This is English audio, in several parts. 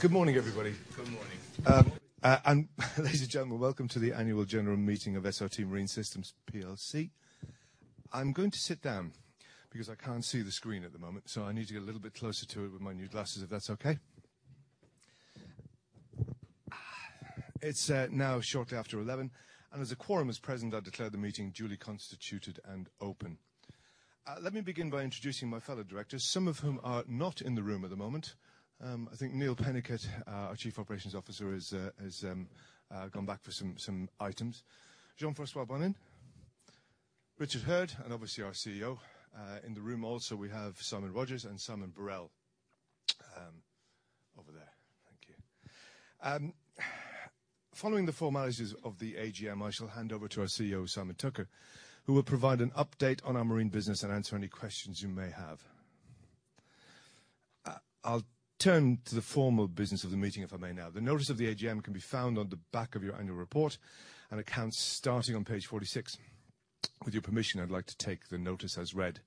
Good morning, everybody. Good morning. Ladies and gentlemen, welcome to the annual general meeting of SRT Marine Systems PLC. I'm going to sit down because I can't see the screen at the moment, so I need to get a little bit closer to it with my new glasses, if that's okay. It's now shortly after 11, and as a quorum is present, I declare the meeting duly constituted and open. Let me begin by introducing my fellow directors, some of whom are not in the room at the moment. I think Neil Peniket, our Chief Operating Officer, has gone back for some items. Jean-François Bonnin, Richard Hurd, and obviously our CEO. In the room also, we have Simon Rogers and Simon Barrell. Over there. Thank you. Following the formalities of the AGM, I shall hand over to our CEO, Simon Tucker, who will provide an update on our marine business and answer any questions you may have. I'll turn to the formal business of the meeting, if I may now. The notice of the AGM can be found on the back of your annual report and accounts starting on page 46. With your permission, I'd like to take the notice as read.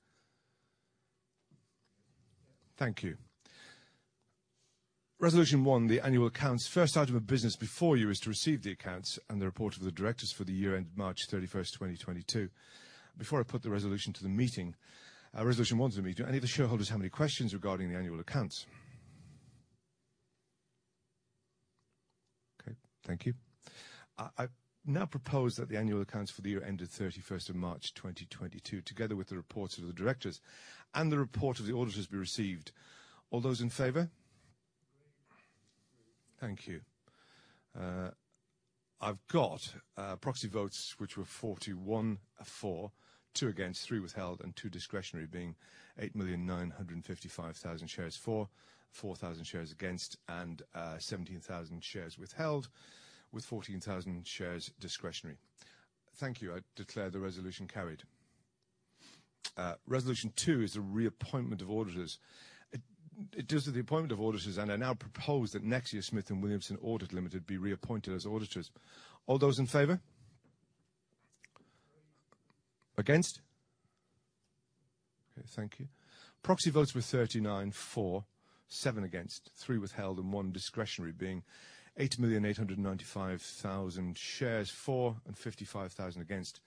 Thank you. Resolution one, the annual accounts. First item of business before you is to receive the accounts and the report of the directors for the year end March 31st, 2022. Before I put the resolution to the meeting, Resolution one to the meeting. Do any of the shareholders have any questions regarding the annual accounts? Okay. Thank you. I now propose that the annual accounts for the year end of 31st of March, 2022, together with the reports of the directors and the report of the auditors be received. All those in favor? Thank you. I've got proxy votes, which were 41 for, two against, three withheld, and two discretionary, being 8,955,000 shares for, 4,000 shares against, and 17,000 shares withheld, with 14,000 shares discretionary. Thank you. I declare the resolution carried. Resolution two is the reappointment of auditors. It deals with the appointment of auditors, and I now propose that Nexia Smith & Williamson Audit Limited be reappointed as auditors. All those in favor? Against? Okay, thank you. Proxy votes were 39 for, seven against, three withheld, and one discretionary, being 8,895,000 shares for and 55,000 against,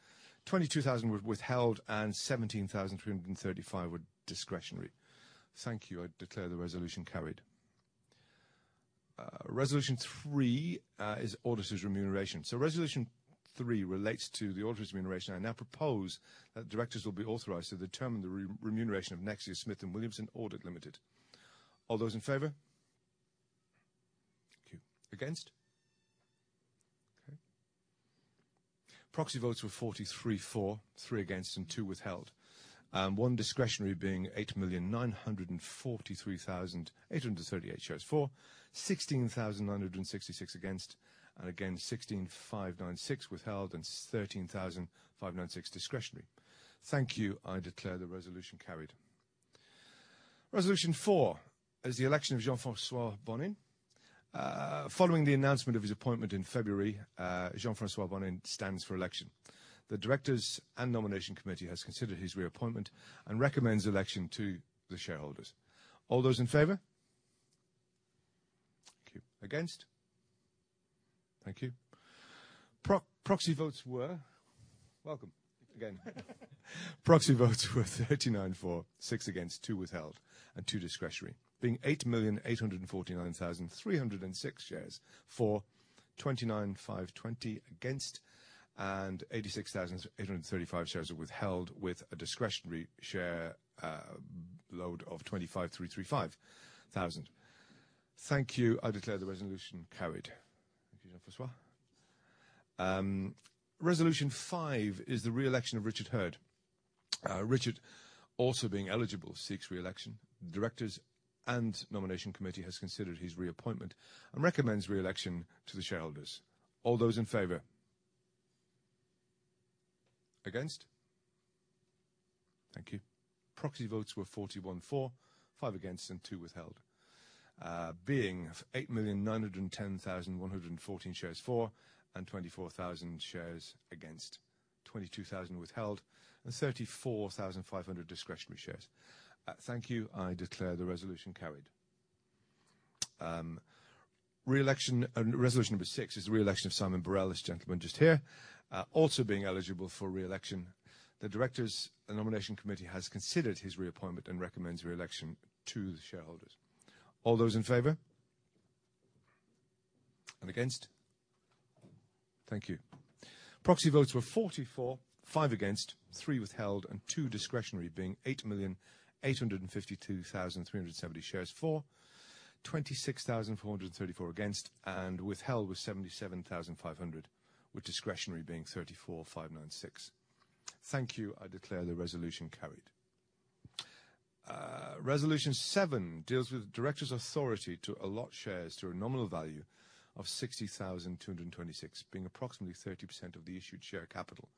22,000 withheld, and 17,335 were discretionary. Thank you. I declare the resolution carried. Resolution three is auditors remuneration. Resolution three relates to the auditors remuneration. I now propose that directors will be authorized to determine the remuneration of Nexia Smith & Williamson Audit Limited. All those in favor? Thank you. Against? Okay. Proxy votes were 43 for, three against, and two withheld. One discretionary being 8,943,838 shares for, 16,966 against, and 16,596 withheld, and 13,596 discretionary. Thank you. I declare the resolution carried. Resolution four is the election of Jean-François Bonnin. Following the announcement of his appointment in February, Jean-François Bonnin stands for election. The directors and nomination committee has considered his reappointment and recommends election to the shareholders. All those in favor? Thank you. Against? Thank you. Proxy votes were 39 for, six against, two withheld, and two discretionary, being 8,849,306 shares for, 29,520 against, and 86,835 shares were withheld with a discretionary share load of 25,335. Thank you. I declare the resolution carried. Thank you, Jean-François. Resolution five is the reelection of Richard Hurd. Richard also being eligible seeks reelection. Directors and nomination committee has considered his reappointment and recommends reelection to the shareholders. All those in favor? Against? Thank you. Proxy votes were 41 for, five against, and two withheld. Being 8,910,114 shares for, and 24,000 shares against, 22,000 withheld, and 34,500 discretionary shares. Thank you. I declare the resolution carried. Re-election, Resolution six is the reelection of Simon Barrell, this gentleman just here. Also being eligible for reelection, the directors and nomination committee has considered his reappointment and recommends reelection to the shareholders. All those in favor? Against? Thank you. Proxy votes were 40 for, five against, three withheld, and two discretionary, being 8,852,370 shares for, 26,434 against, and withheld was 77,500, with discretionary being 34,596. Thank you. I declare the resolution carried. Resolution seven deals with directors' authority to allot shares to a nominal value of 60,226, being approximately 30% of the issued share capital.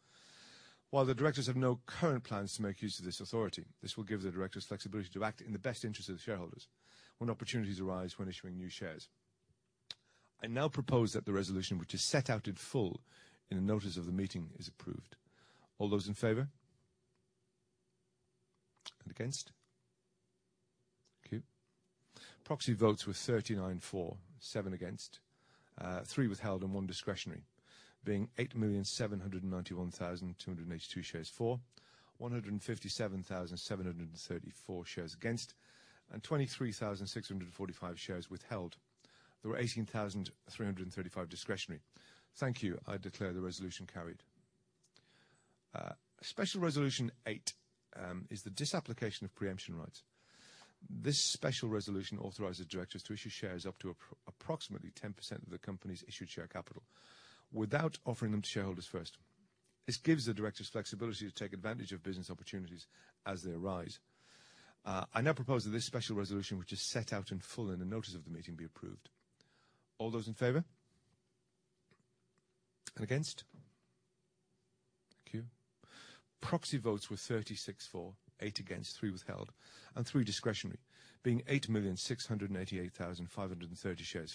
While the directors have no current plans to make use of this authority, this will give the directors flexibility to act in the best interest of the shareholders when opportunities arise when issuing new shares. I now propose that the resolution, which is set out in full in the notice of the meeting, is approved. All those in favor? And against? Thank you. Proxy votes were 39 for, seven against, three withheld, and one discretionary. Being 8,791,282 shares for, 157,734 shares against, and 23,645 shares withheld. There were 18,335 discretionary. Thank you, I declare the resolution carried. Special Resolution eight is the disapplication of pre-emption rights. This special resolution authorizes directors to issue shares up to approximately 10% of the company's issued share capital without offering them to shareholders first. This gives the directors flexibility to take advantage of business opportunities as they arise. I now propose that this special resolution, which is set out in full in the notice of the meeting, be approved. All those in favor? And against? Thank you. Proxy votes were 36 for, eight against, three withheld, and three discretionary. Being 8,688,530 shares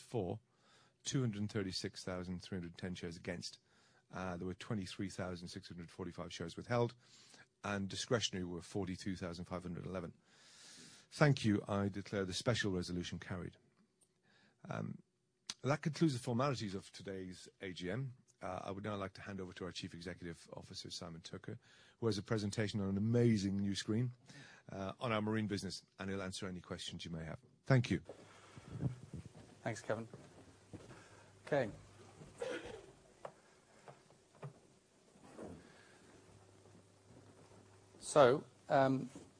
for, 236,310 shares against, there were 23,645 shares withheld, and discretionary were 42,511. Thank you, I declare the special resolution carried. That concludes the formalities of today's AGM. I would now like to hand over to our Chief Executive Officer, Simon Tucker, who has a presentation on an amazing new screen, on our marine business, and he'll answer any questions you may have. Thank you. Thanks, Kevin. Okay.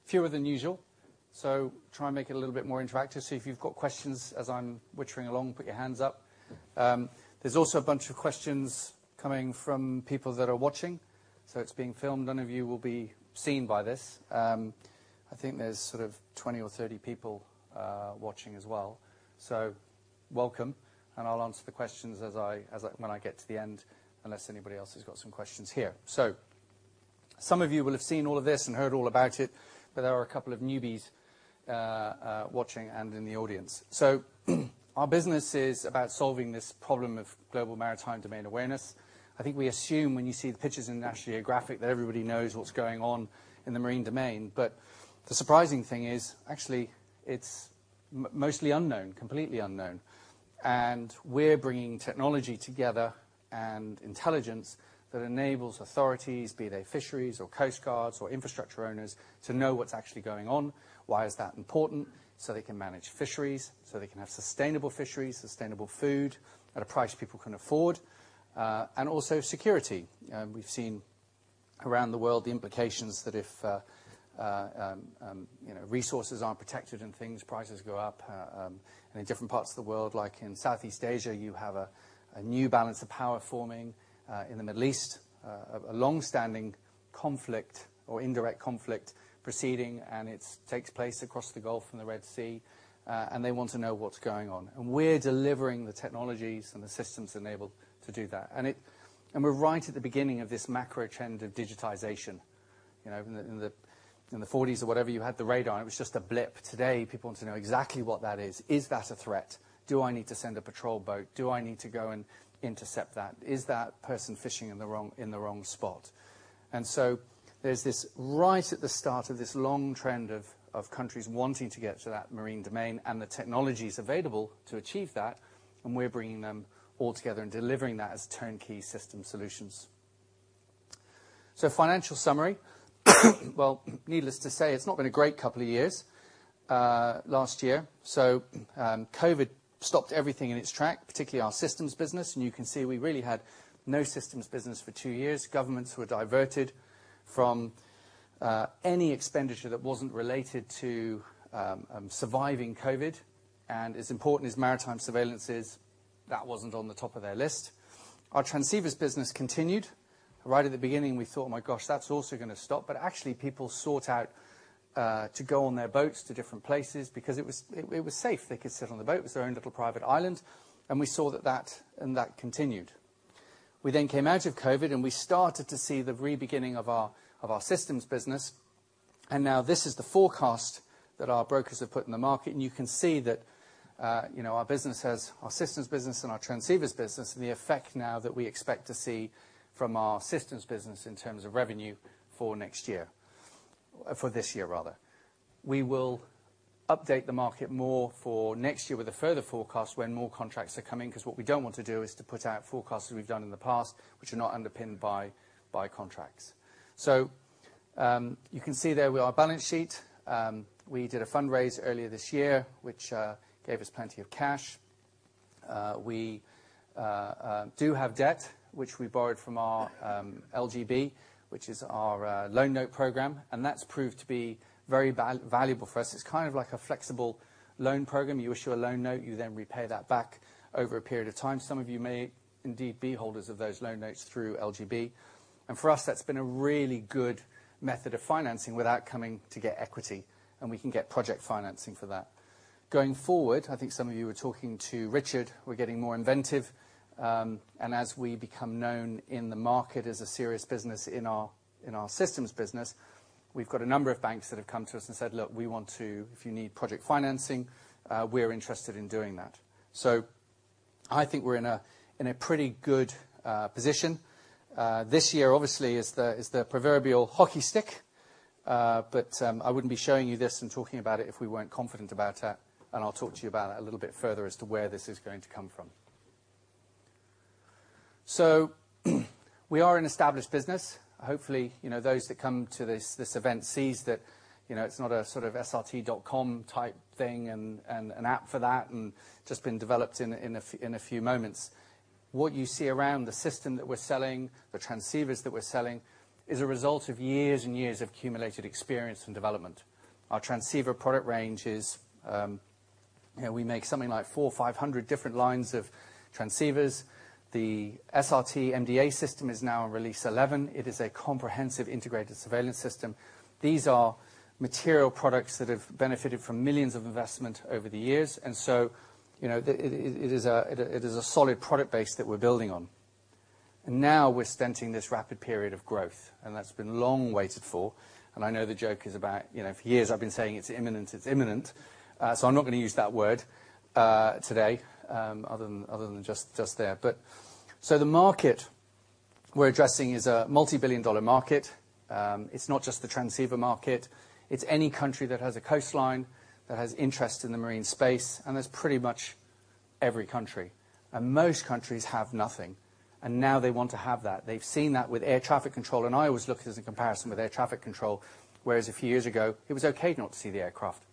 Fewer than usual, so try and make it a little bit more interactive. If you've got questions as I'm wittering along, put your hands up. There's also a bunch of questions coming from people that are watching, so it's being filmed. None of you will be seen by this. I think there's sort of 20 or 30 people watching as well. Welcome, and I'll answer the questions as I when I get to the end, unless anybody else has got some questions here. Some of you will have seen all of this and heard all about it, but there are a couple of newbies watching and in the audience. Our business is about solving this problem of global maritime domain awareness. I think we assume when you see the pictures in National Geographic that everybody knows what's going on in the marine domain. The surprising thing is, actually it's mostly unknown, completely unknown. We're bringing technology together and intelligence that enables authorities, be they fisheries or coast guards or infrastructure owners, to know what's actually going on. Why is that important, so they can manage fisheries, so they can have sustainable fisheries, sustainable food at a price people can afford, and also security. We've seen around the world the implications that if you know, resources aren't protected and things, prices go up. In different parts of the world, like in Southeast Asia, you have a new balance of power forming. In the Middle East, a long-standing conflict or indirect conflict proceeding, and it takes place across the Gulf and the Red Sea, and they want to know what's going on. We're delivering the technologies and the systems enabled to do that. We're right at the beginning of this macro trend of digitization. You know, in the forties or whatever, you had the radar, and it was just a blip. Today, people want to know exactly what that is. Is that a threat? Do I need to send a patrol boat? Do I need to go and intercept that? Is that person fishing in the wrong spot? There's this right at the start of this long trend of countries wanting to get to that marine domain and the technologies available to achieve that, and we're bringing them all together and delivering that as turnkey system solutions. So, the financial summary. Well, needless to say, it's not been a great couple of years, last year. COVID stopped everything in its tracks, particularly our systems business. You can see we really had no systems business for two years. Governments were diverted from any expenditure that wasn't related to surviving COVID. As important as maritime surveillance is, that wasn't on the top of their list. Our transceivers business continued. Right at the beginning, we thought, "My gosh, that's also gonna stop." Actually, people sought out to go on their boats to different places because it was safe. They could sit on the boat. It was their own little private island. We saw that, and that continued. We then came out of COVID, and we started to see the re-beginning of our systems business. Now this is the forecast that our brokers have put in the market. You can see that, you know, our systems business and our transceivers business, and the effect now that we expect to see from our systems business in terms of revenue for next year. For this year rather. We will update the market more for next year with a further forecast when more contracts are coming, 'cause what we don't want to do is to put out forecasts as we've done in the past, which are not underpinned by contracts. You can see there with our balance sheet, we did a fundraise earlier this year, which gave us plenty of cash. We do have debt, which we borrowed from our LGB & Co., which is our loan note program, and that's proved to be very valuable for us. It's kind of like a flexible loan program. You issue a loan note, you then repay that back over a period of time. Some of you may indeed be holders of those loan notes through LGB & Co. For us, that's been a really good method of financing without coming to get equity, and we can get project financing for that. Going forward, I think some of you were talking to Richard, we're getting more inventive. As we become known in the market as a serious business in our systems business, we've got a number of banks that have come to us and said, "Look, we want to, if you need project financing, we're interested in doing that." I think we're in a pretty good position. This year obviously is the proverbial hockey stick. I wouldn't be showing you this and talking about it if we weren't confident about it, and I'll talk to you about it a little bit further as to where this is going to come from. We are an established business. Hopefully, you know, those that come to this event sees that, you know, it's not a sort of srt.com type thing and an app for that, and just been developed in a few moments. What you see around the system that we're selling, the transceivers that we're selling, is a result of years and years of accumulated experience and development. Our transceiver product range is, you know, we make something like 400 or 500 different lines of transceivers. The SRT MDA system is now on release 11. It is a comprehensive integrated surveillance system. These are material products that have benefited from millions of investment over the years, and so, you know, it is a solid product base that we're building on. Now we're entering this rapid period of growth, and that's been long awaited. I know the joke is about, you know, for years I've been saying it's imminent, so I'm not gonna use that word today, other than just there. The market we're addressing is a multi-billion-dollar market. It's not just the transceiver market, it's any country that has a coastline, that has interest in the marine space, and that's pretty much every country. Most countries have nothing, and now they want to have that. They've seen that with air traffic control, and I always look at it as a comparison with air traffic control, whereas a few years ago it was okay not to see the aircraft.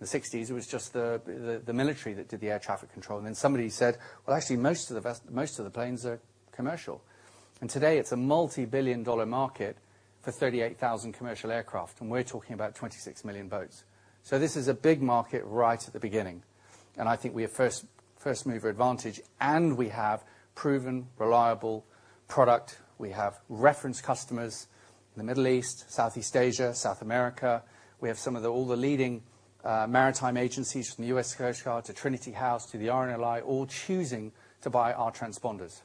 In the 60s, it was just the military that did the air traffic control. Somebody said, "Well, actually most of the planes are commercial." Today it's a multi-billion-dollar market for 38,000 commercial aircraft, and we're talking about 26 million boats. This is a big market right at the beginning, and I think we have first mover advantage, and we have proven reliable product. We have reference customers in the Middle East, Southeast Asia, South America. We have all the leading maritime agencies from the US Coast Guard to Trinity House to the RNLI, all choosing to buy our transponders.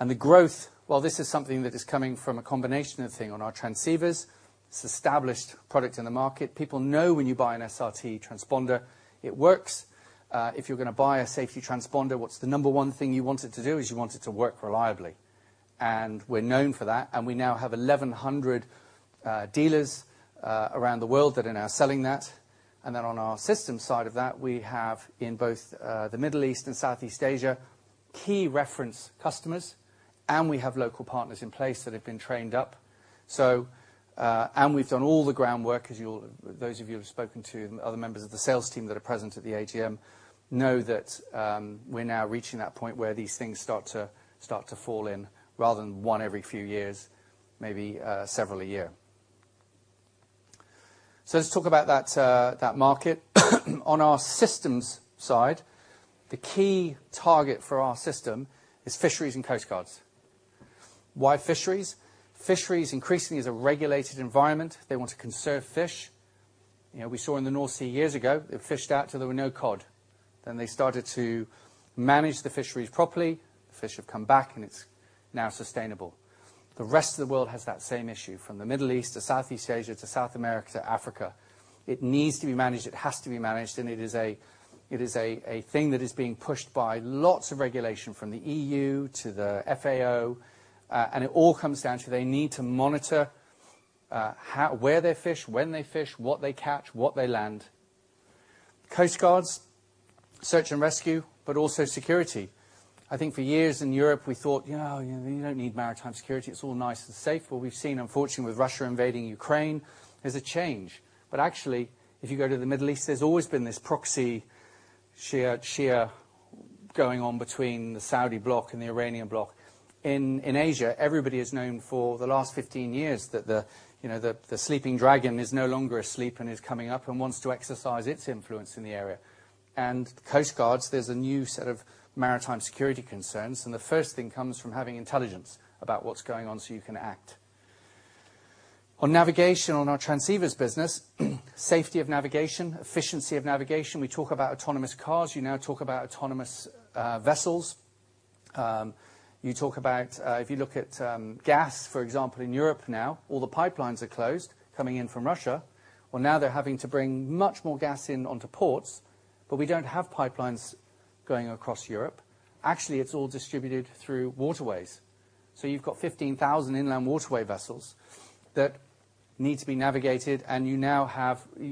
The growth, while this is something that is coming from a combination of things on our transceivers, it's established product in the market, people know when you buy an SRT transponder, it works. If you're gonna buy a safety transponder, what's the number one thing you want it to do, is you want it to work reliably. We're known for that, and we now have 1,100 dealers around the world that are now selling that. On our systems side of that, we have in both the Middle East and Southeast Asia, key reference customers, and we have local partners in place that have been trained up. We've done all the groundwork as you'll those of you who have spoken to other members of the sales team that are present at the ATM, know that, we're now reaching that point where these things start to fall in, rather than one every few years, maybe, several a year. Let's talk about that market. On our systems side, the key target for our system is fisheries and coast guards. Why fisheries? Fisheries increasingly is a regulated environment. They want to conserve fish. You know, we saw in the North Sea years ago, it fished out till there were no cod. Then they started to manage the fisheries properly. Fish have come back, and it's now sustainable. The rest of the world has that same issue from the Middle East to Southeast Asia to South America to Africa. It needs to be managed, it has to be managed, and it is a thing that is being pushed by lots of regulation from the EU to the FAO, and it all comes down to they need to monitor how where they fish, when they fish, what they catch, what they land. Coast guards, search and rescue, but also security. I think for years in Europe, we thought, "You know, you don't need maritime security. It's all nice and safe." We've seen, unfortunately, with Russia invading Ukraine, there's a change. Actually, if you go to the Middle East, there's always been this proxy war going on between the Saudi bloc and the Iranian bloc. In Asia, everybody has known for the last 15 years that you know, the sleeping dragon is no longer asleep and is coming up and wants to exercise its influence in the area. Coast guards, there's a new set of maritime security concerns, and the first thing comes from having intelligence about what's going on so you can act. On navigation, on our transceivers business, safety of navigation, efficiency of navigation. We talk about autonomous cars. You now talk about autonomous vessels. You talk about, if you look at gas, for example, in Europe now, all the pipelines are closed coming in from Russia. Well, now they're having to bring much more gas in onto ports, but we don't have pipelines going across Europe. Actually, it's all distributed through waterways. You've got 15,000 inland waterway vessels that need to be navigated, and you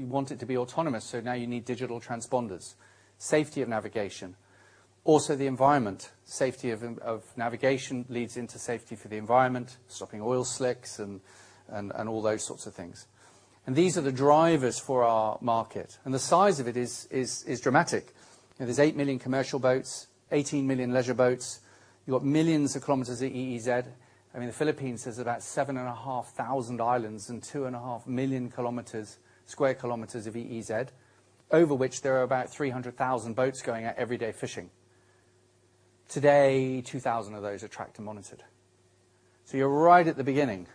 want it to be autonomous, so now you need digital transponders. Safety of navigation. Also the environment. Safety of navigation leads into safety for the environment, stopping oil slicks and all those sorts of things. These are the drivers for our market. The size of it is dramatic. You know, there's eight million commercial boats, 18 million leisure boats. You got millions of kilometers of EEZ. I mean, the Philippines has about 7,500 islands and 2.5 million square kilometers of EEZ, over which there are about 300,000 boats going out every day fishing. Today, 2,000 of those are tracked and monitored. You're right at the beginning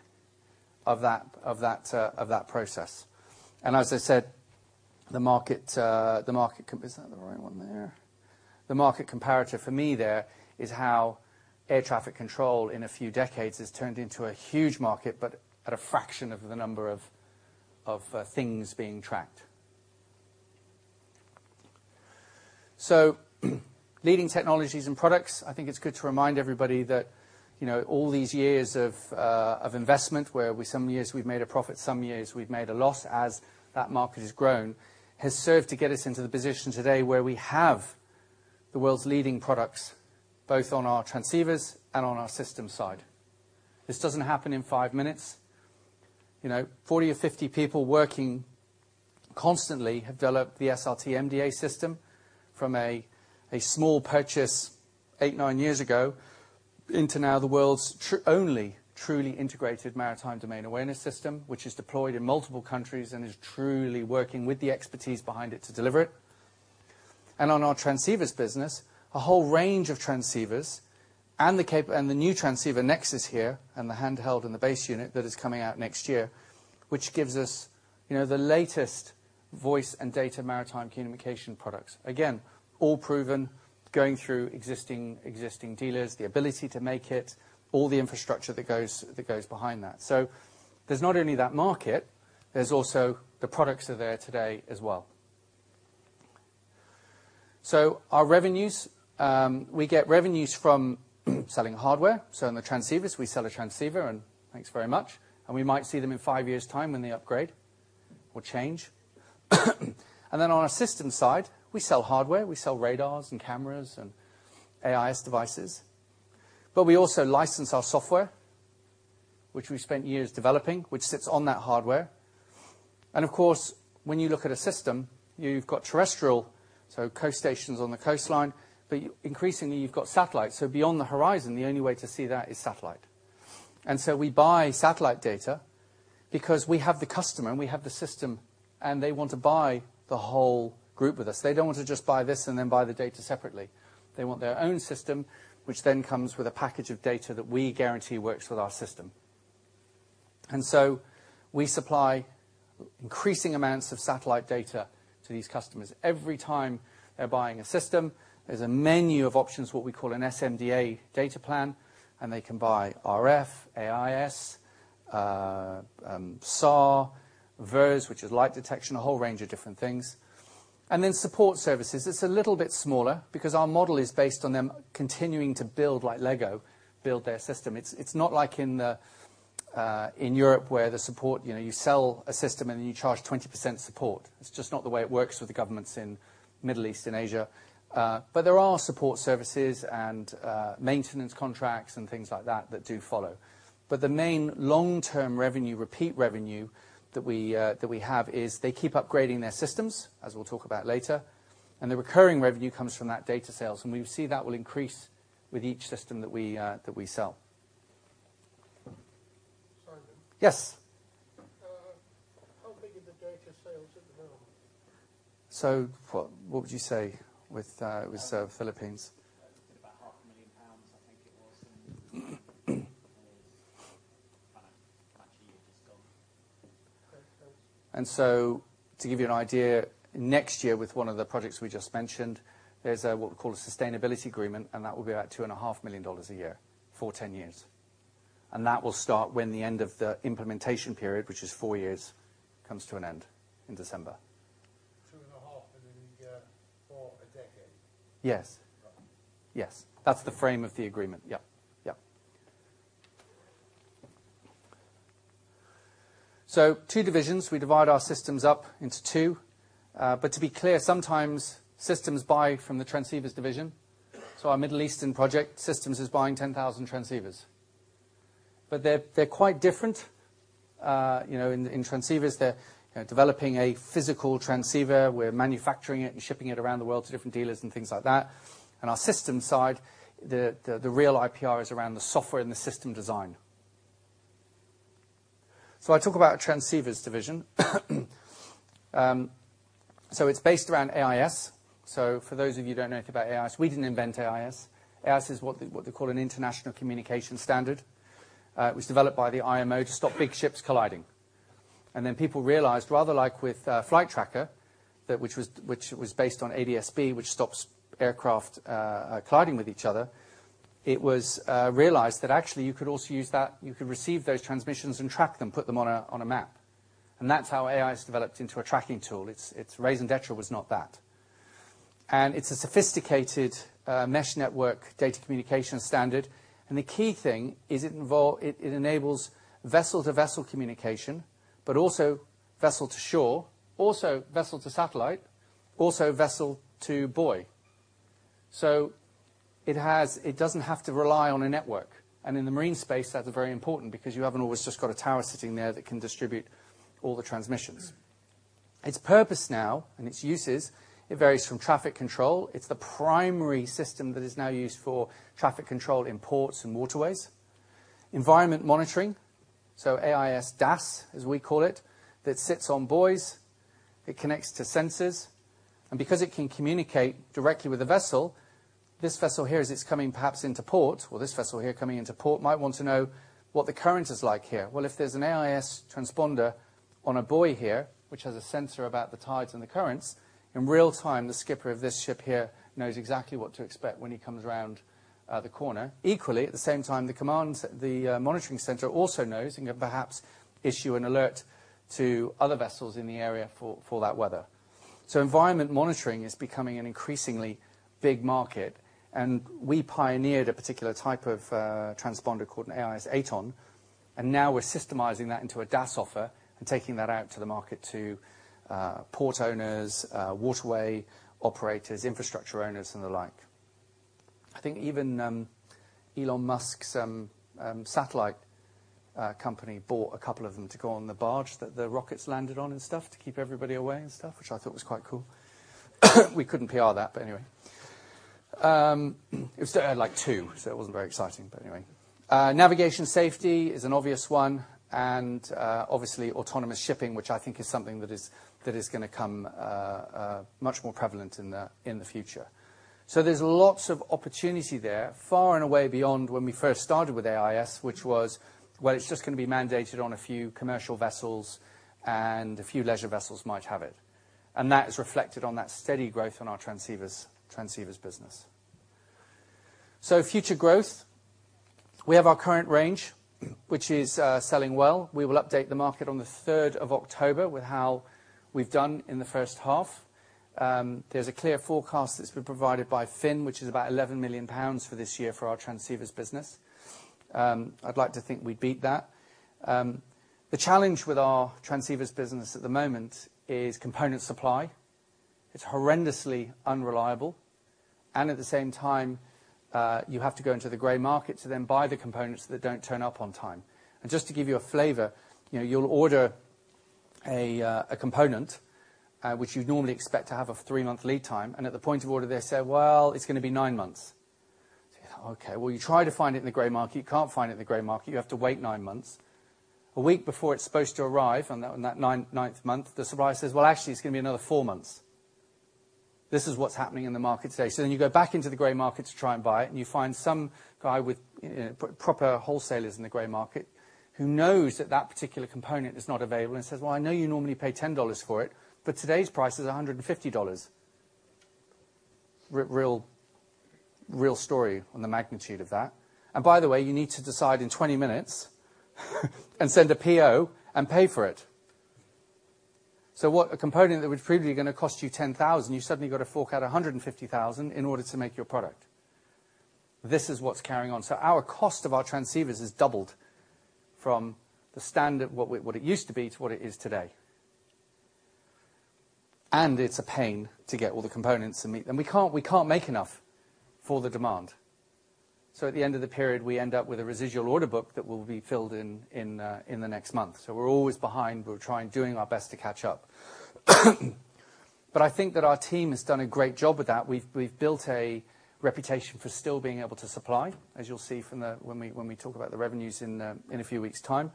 of that process. As I said, the market comparator for me there is how air traffic control in a few decades has turned into a huge market, but at a fraction of the number of things being tracked. Leading technologies and products, I think it's good to remind everybody that, you know, all these years of investment where we some years we've made a profit, some years we've made a loss as that market has grown, has served to get us into the position today where we have the world's leading products, both on our transceivers and on our systems side. This doesn't happen in five minutes. You know, 40, 50 people working constantly have developed the SRT-MDA system from a small purchase eight, nine years ago into now the world's only truly integrated maritime domain awareness system, which is deployed in multiple countries and is truly working with the expertise behind it to deliver it. On our transceivers business, a whole range of transceivers and the new transceiver NEXUS here, and the handheld and the base unit that is coming out next year, which gives us, you know, the latest voice and data maritime communication products. Again, all proven, going through existing dealers, the ability to make it, all the infrastructure that goes behind that. There's not only that market, there's also the products are there today as well. Our revenues, we get revenues from selling hardware. In the transceivers, we sell a transceiver, and thanks very much. We might see them in five years time when they upgrade or change. On our system side, we sell hardware, we sell radars and cameras and AIS devices, but we also license our software, which we spent years developing, which sits on that hardware. Of course, when you look at a system, you've got terrestrial, so coast stations on the coastline, but increasingly you've got satellites. Beyond the horizon, the only way to see that is satellite. We buy satellite data because we have the customer and we have the system, and they want to buy the whole group with us. They don't want to just buy this and then buy the data separately. They want their own system, which then comes with a package of data that we guarantee works with our system. We supply increasing amounts of satellite data to these customers. Every time they're buying a system, there's a menu of options, what we call an S-MDA data plan, and they can buy RF, AIS, SAR, LiDAR, which is light detection, a whole range of different things. Support services. It's a little bit smaller because our model is based on them continuing to build like Lego, build their system. It's not like in Europe where the support, you know, you sell a system and you charge 20% support. It's just not the way it works with the governments in Middle East and Asia. There are support services and maintenance contracts and things like that that do follow. The main long-term revenue, repeat revenue that we have is they keep upgrading their systems, as we'll talk about later. The recurring revenue comes from that data sales. We see that will increase with each system that we sell. Simon? Yes. How big are the data sales at the moment? What would you say with Philippines? I think it was. Actually you've just got. Great. Thanks. And so, to give you an idea, next year with one of the projects we just mentioned, there's what we call a sustainability agreement, and that will be about $2.5 million a year for 10 years. That will start when the end of the implementation period, which is four years, comes to an end in December. $2.5 million year for a decade? Yes. Right. Yes. That's the frame of the agreement. Yep. Yep. So, two divisions. We divide our systems up into two. To be clear, sometimes systems buy from the transceivers division. Our Middle Eastern project systems is buying 10,000 transceivers. They're quite different. You know, in transceivers, they're developing a physical transceiver. We're manufacturing it and shipping it around the world to different dealers and things like that. Our system side, the real IPR is around the software and the system design. I talk about transceivers division. It's based around AIS. For those of you who don't know about AIS, we didn't invent AIS. AIS is what they call an international communication standard. It was developed by the IMO to stop big ships colliding. People realized, rather like with flight tracker, that which was based on ADS-B, which stops aircraft colliding with each other. It was realized that actually you could also use that, you could receive those transmissions and track them, put them on a map. That's how AIS developed into a tracking tool. It's raison d'être was not that. It's a sophisticated mesh network data communication standard. The key thing is it enables vessel-to-vessel communication, but also vessel to shore, also vessel to satellite, also vessel to buoy. It doesn't have to rely on a network. In the marine space, that's very important because you haven't always just got a tower sitting there that can distribute all the transmissions. Its purpose now and its uses, it varies from traffic control. It's the primary system that is now used for traffic control in ports and waterways. Environment monitoring, so AIS DAS, as we call it, that sits on buoys, it connects to sensors, and because it can communicate directly with the vessel, this vessel here, as it's coming perhaps into port, or this vessel here coming into port, might want to know what the current is like here. Well, if there's an AIS transponder on a buoy here, which has a sensor about the tides and the currents, in real-time, the skipper of this ship here knows exactly what to expect when he comes around the corner. Equally, at the same time, the command, the monitoring center also knows and can perhaps issue an alert to other vessels in the area for that weather. Environment monitoring is becoming an increasingly big market, and we pioneered a particular type of transponder called an AIS AtoN, and now we're systemizing that into a DAS offer and taking that out to the market to port owners, waterway operators, infrastructure owners, and the like. I think even Elon Musk's satellite company bought a couple of them to go on the barge that the rockets landed on and stuff to keep everybody away and stuff, which I thought was quite cool. We couldn't PR that, but anyway. It was like two, so it wasn't very exciting, but anyway. Navigation safety is an obvious one, and obviously autonomous shipping, which I think is something that is gonna come much more prevalent in the future. There's lots of opportunity there far and away beyond when we first started with AIS, which was, well, it's just gonna be mandated on a few commercial vessels and a few leisure vessels might have it. That is reflected in that steady growth in our transceivers business. Future growth, we have our current range, which is selling well. We will update the market on the third of October with how we've done in the first half. There's a clear forecast that's been provided by finnCap, which is about 11 million pounds for this year for our transceivers business. I'd like to think we'd beat that. The challenge with our transceivers business at the moment is component supply. It's horrendously unreliable, and at the same time, you have to go into the gray market to then buy the components that don't turn up on time. Just to give you a flavor, you know, you'll order a component, which you'd normally expect to have a three-month lead time, and at the point of order, they say, "Well, it's gonna be nine months." You say, "Okay." Well, you try to find it in the gray market. You can't find it in the gray market. You have to wait nine months. A week before it's supposed to arrive on that ninth month, the supplier says, "Well, actually, it's gonna be another four months." This is what's happening in the market today. You go back into the gray market to try and buy it, and you find some guy with proper wholesalers in the gray market who knows that that particular component is not available and says, "Well, I know you normally pay $10 for it, but today's price is $150." Real story on the magnitude of that. By the way, you need to decide in 20 minutes and send a PO and pay for it. What a component that would previously gonna cost you $10,000, you suddenly got to fork out $150,000 in order to make your product. This is what's carrying on. Our cost of our transceivers has doubled from the standard, what it used to be to what it is today. It's a pain to get all the components. We can't make enough for the demand. At the end of the period, we end up with a residual order book that will be filled in the next month. We're always behind. We're trying, doing our best to catch up. I think that our team has done a great job with that. We've built a reputation for still being able to supply, as you'll see when we talk about the revenues in a few weeks' time.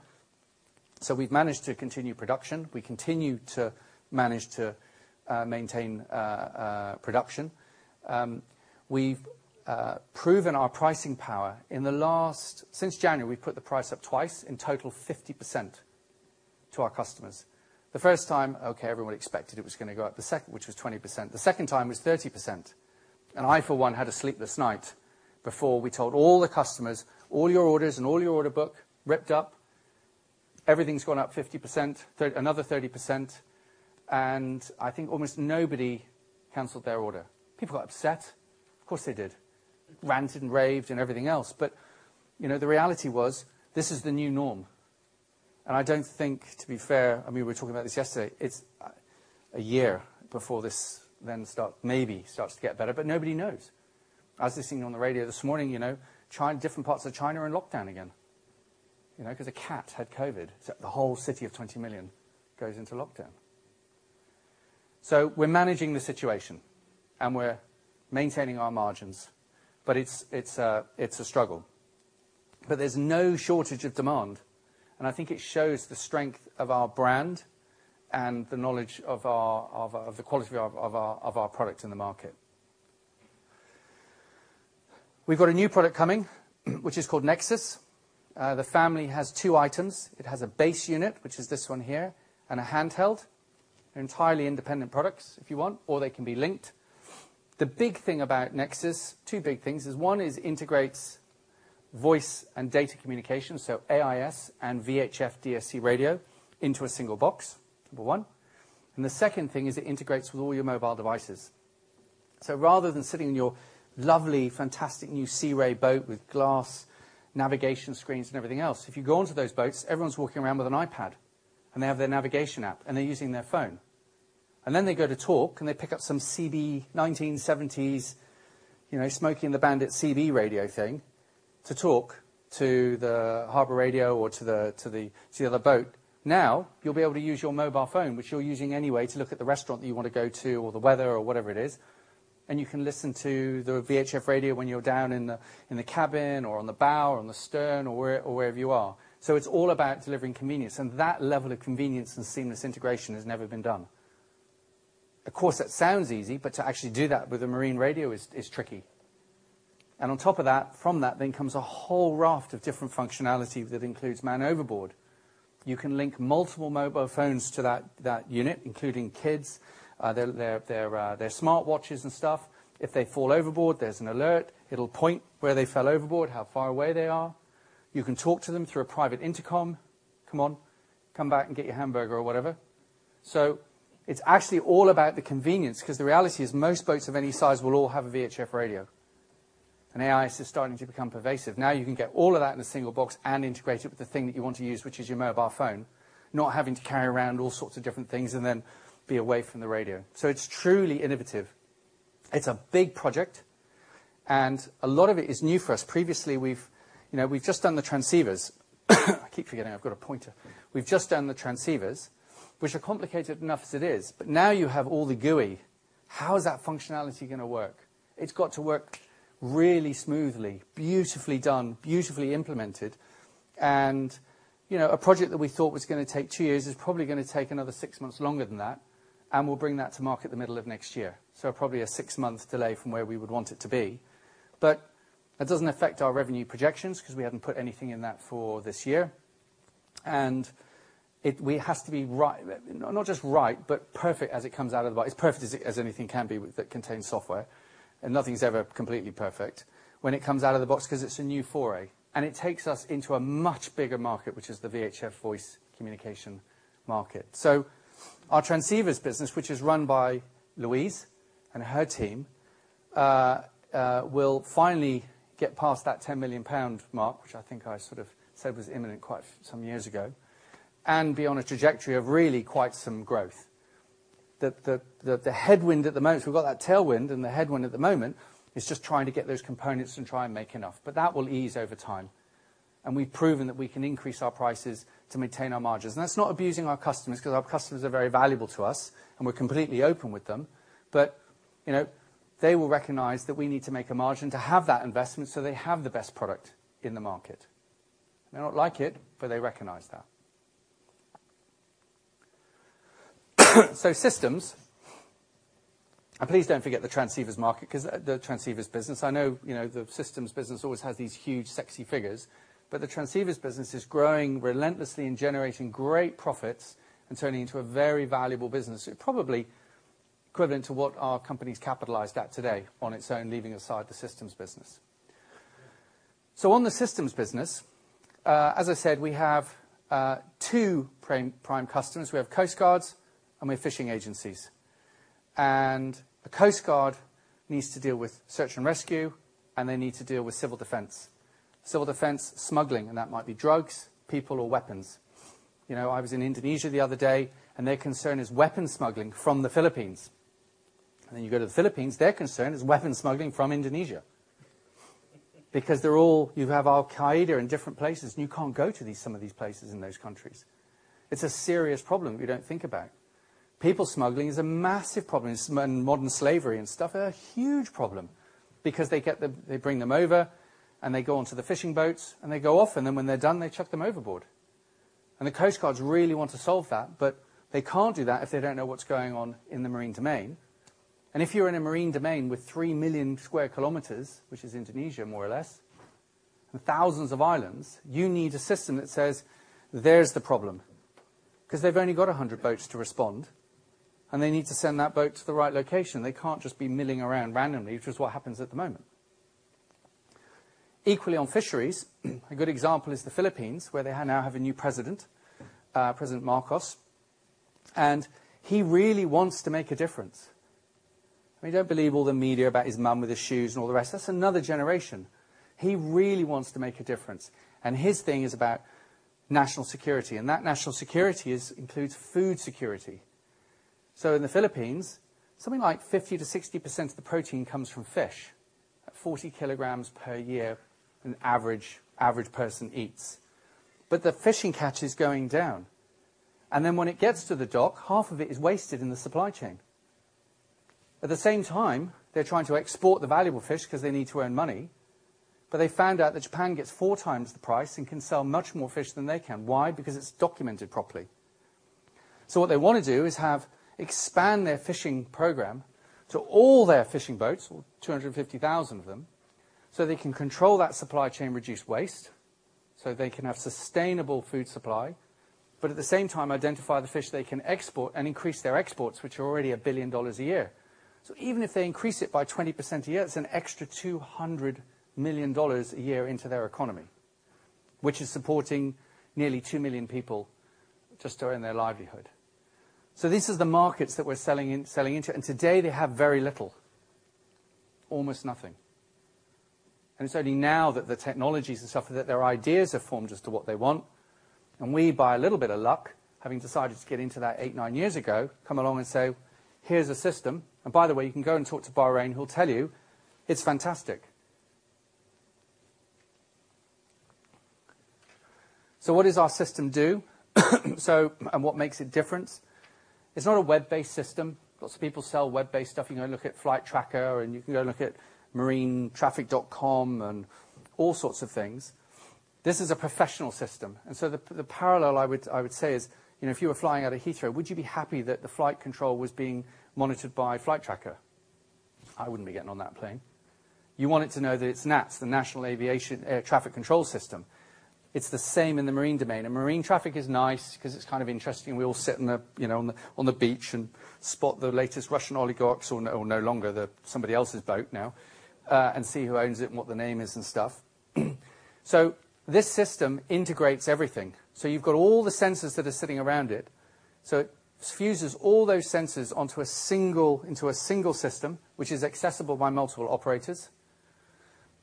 We've managed to continue production. We continue to manage to maintain production. We've proven our pricing power. Since January, we've put the price up twice, in total 50% to our customers. The first time, okay, everyone expected it was gonna go up. The second, which was 20%. The second time was 30%. I, for one, had a sleepless night before we told all the customers, "All your orders and all your order book ripped up. Everything's gone up 50%, another 30%." I think almost nobody canceled their order. People got upset. Of course they did. Ranted and raved and everything else. You know, the reality was this is the new norm. I don't think, to be fair, I mean, we were talking about this yesterday, it's a year before this then start, maybe starts to get better, but nobody knows. I was listening on the radio this morning, you know, China, different parts of China are in lockdown again. You know, 'cause a cat had COVID, so the whole city of 20 million goes into lockdown. We're managing the situation, and we're maintaining our margins, but it's a struggle. There's no shortage of demand, and I think it shows the strength of our brand and the knowledge of the quality of our product in the market. We've got a new product coming, which is called NEXUS. The family has two items. It has a base unit, which is this one here, and a handheld. They're entirely independent products if you want, or they can be linked. The big thing about NEXUS, two big things, is one is integrates voice and data communication, so AIS and VHF DSC radio into a single box. Number one. The second thing is it integrates with all your mobile devices. Rather than sitting in your lovely, fantastic new Sea Ray boat with glass navigation screens and everything else, if you go onto those boats, everyone's walking around with an iPad, and they have their navigation app, and they're using their phone. Then they go to talk, and they pick up some CB 1970s, you know, Smokey and the Bandit CB radio thing to talk to the harbor radio or to the other boat. Now, you'll be able to use your mobile phone, which you're using anyway to look at the restaurant that you wanna go to or the weather or whatever it is, and you can listen to the VHF radio when you're down in the cabin or on the bow or on the stern or wherever you are. It's all about delivering convenience, and that level of convenience and seamless integration has never been done. Of course, that sounds easy, but to actually do that with a marine radio is tricky. On top of that, from that then comes a whole raft of different functionality that includes Man Overboard. You can link multiple mobile phones to that unit, including kids, their smartwatches and stuff. If they fall overboard, there's an alert. It'll point where they fell overboard, how far away they are. You can talk to them through a private intercom. Come on, come back and get your hamburger or whatever. It's actually all about the convenience, 'cause the reality is most boats of any size will all have a VHF radio, and AIS is starting to become pervasive. Now you can get all of that in a single box and integrate it with the thing that you want to use, which is your mobile phone, not having to carry around all sorts of different things and then be away from the radio. It's truly innovative. It's a big project, and a lot of it is new for us. Previously, you know, we've just done the transceivers. I keep forgetting I've got a pointer. We've just done the transceivers, which are complicated enough as it is, but now you have all the GUI. How is that functionality gonna work? It's got to work really smoothly, beautifully done, beautifully implemented, and, you know, a project that we thought was gonna take two years is probably gonna take another six months longer than that, and we'll bring that to market the middle of next year. Probably a six-month delay from where we would want it to be. That doesn't affect our revenue projections 'cause we haven't put anything in that for this year. We have to be right. Not just right, but perfect as it comes out of the box. As perfect as anything can be that contains software, and nothing's ever completely perfect when it comes out of the box 'cause it's a new foray, and it takes us into a much bigger market, which is the VHF voice communication market. Our transceivers business, which is run by Louise and her team, will finally get past that 10 million pound mark, which I think I sort of said was imminent quite some years ago, and be on a trajectory of really quite some growth. The headwind at the moment, we've got that tailwind, and the headwind at the moment is just trying to get those components and try and make enough. That will ease over time, and we've proven that we can increase our prices to maintain our margins. That's not abusing our customers, 'cause our customers are very valuable to us, and we're completely open with them. You know, they will recognize that we need to make a margin to have that investment, so they have the best product in the market. They don't like it, but they recognize that. Please don't forget the transceivers market, 'cause the transceivers business, I know, you know, the systems business always has these huge, sexy figures, but the transceivers business is growing relentlessly and generating great profits and turning into a very valuable business. Probably equivalent to what our company's capitalized at today on its own, leaving aside the systems business. On the systems business, as I said, we have two prime customers. We have coast guards, and we have fishing agencies. A coast guard needs to deal with search and rescue, and they need to deal with civil defense. Civil defense, smuggling, and that might be drugs, people, or weapons. You know, I was in Indonesia the other day, and their concern is weapons smuggling from the Philippines. Then you go to the Philippines, their concern is weapons smuggling from Indonesia because You have Al-Qaeda in different places, and you can't go to these, some of these places in those countries. It's a serious problem you don't think about. People smuggling is a massive problem. Modern slavery and stuff are a huge problem because they bring them over, and they go onto the fishing boats, and they go off, and then when they're done, they chuck them overboard. The coast guards really want to solve that, but they can't do that if they don't know what's going on in the maritime domain. If you're in a maritime domain with 3 million sq km, which is Indonesia more or less, and thousands of islands, you need a system that says, "There's the problem." 'Cause they've only got 100 boats to respond, and they need to send that boat to the right location. They can't just be milling around randomly, which is what happens at the moment. Equally on fisheries, a good example is the Philippines, where they now have a new president, President Marcos, and he really wants to make a difference. I mean, don't believe all the media about his mom with his shoes and all the rest. That's another generation. He really wants to make a difference, and his thing is about national security, and that national security includes food security. In the Philippines, something like 50%-60% of the protein comes from fish, at 40 kilograms per year an average person eats. But the fishing catch is going down. Then when it gets to the dock, half of it is wasted in the supply chain. At the same time, they're trying to export the valuable fish 'cause they need to earn money. They found out that Japan gets four times the price and can sell much more fish than they can. Why? Because it's documented properly. What they wanna do is have, expand their fishing program to all their fishing boats, 250,000 of them, so they can control that supply chain, reduce waste, so they can have sustainable food supply, but at the same time identify the fish they can export and increase their exports, which are already $1 billion a year. Even if they increase it by 20% a year, that's an extra $200 million a year into their economy, which is supporting nearly two million people just earning their livelihood. This is the markets that we're selling in, selling into, and today they have very little. Almost nothing. It's only now that the technologies and stuff, that their ideas have formed as to what they want, and we, by a little bit of luck, having decided to get into that eight, nine years ago, come along and say, "Here's a system. And by the way, you can go and talk to Bahrain, who'll tell you it's fantastic." What does our system do? What makes it different? It's not a web-based system. Lots of people sell web-based stuff. You can go and look at Flight Tracker, and you can go and look at marinetraffic.com and all sorts of things. This is a professional system. The parallel I would say is, you know, if you were flying out of Heathrow, would you be happy that the flight control was being monitored by Flight Tracker? I wouldn't be getting on that plane. You want it to know that it's NATS, the National Air Traffic Services. It's the same in the marine domain, and marine traffic is nice 'cause it's kind of interesting. We all sit you know, on the beach and spot the latest Russian oligarch's or no longer somebody else's boat now, and see who owns it and what the name is and stuff. This system integrates everything. You've got all the sensors that are sitting around it. It fuses all those sensors into a single system, which is accessible by multiple operators.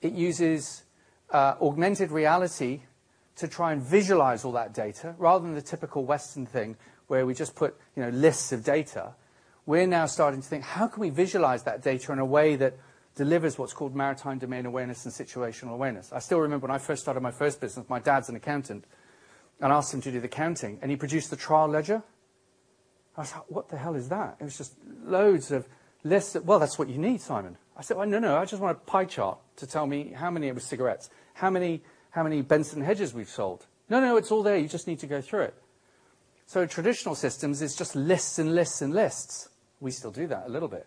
It uses augmented reality to try and visualize all that data. Rather than the typical Western thing where we just put, you know, lists of data, we're now starting to think, "How can we visualize that data in a way that delivers what's called maritime domain awareness and situational awareness?" I still remember when I first started my first business, my dad's an accountant, and I asked him to do the counting, and he produced the trial ledger. I was like, "What the hell is that?" It was just loads of lists. "Well, that's what you need, Simon." I said, "Well, no. I just want a pie chart to tell me how many of the cigarettes, how many Benson & Hedges we've sold." "No, no, it's all there. You just need to go through it." Traditional systems is just lists and lists and lists. We still do that a little bit.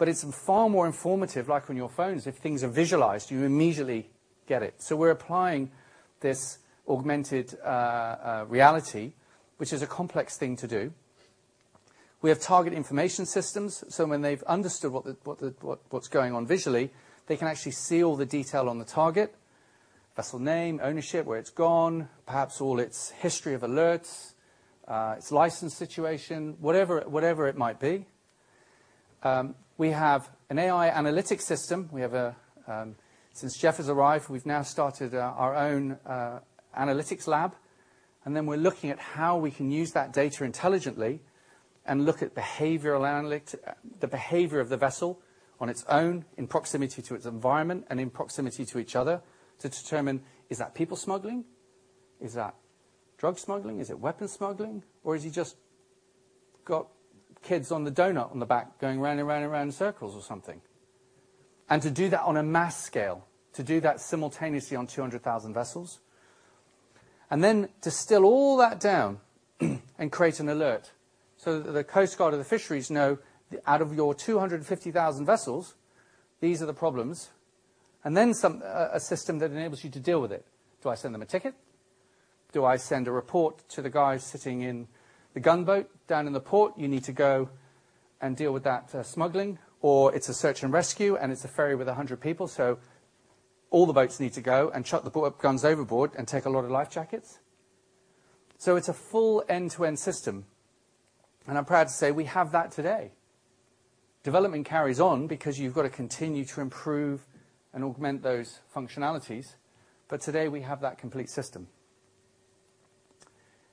It's far more informative, like on your phones, if things are visualized, you immediately get it. We're applying this augmented reality, which is a complex thing to do. We have target information systems, so when they've understood what's going on visually, they can actually see all the detail on the target, vessel name, ownership, where it's gone, perhaps all its history of alerts, its license situation, whatever it might be. We have an AI analytics system. Since Jeff has arrived, we've now started our own analytics lab, and then we're looking at how we can use that data intelligently and look at behavioral analytics, the behavior of the vessel on its own, in proximity to its environment, and in proximity to each other to determine, is that people smuggling? Is that drug smuggling? Is it weapon smuggling? Or has he just got kids on the donut on the back going round and round and round in circles or something? To do that on a mass scale, to do that simultaneously on 200,000 vessels, and then distill all that down and create an alert so that the Coast Guard or the fisheries know that out of your 250,000 vessels, these are the problems. Then some system that enables you to deal with it. Do I send them a ticket? Do I send a report to the guys sitting in the gunboat down in the port? You need to go and deal with that, smuggling, or it's a search and rescue, and it's a ferry with 100 people, so all the boats need to go and chuck the boat, guns overboard and take a lot of life jackets. It's a full end-to-end system, and I'm proud to say we have that today. Development carries on because you've got to continue to improve and augment those functionalities, but today we have that complete system.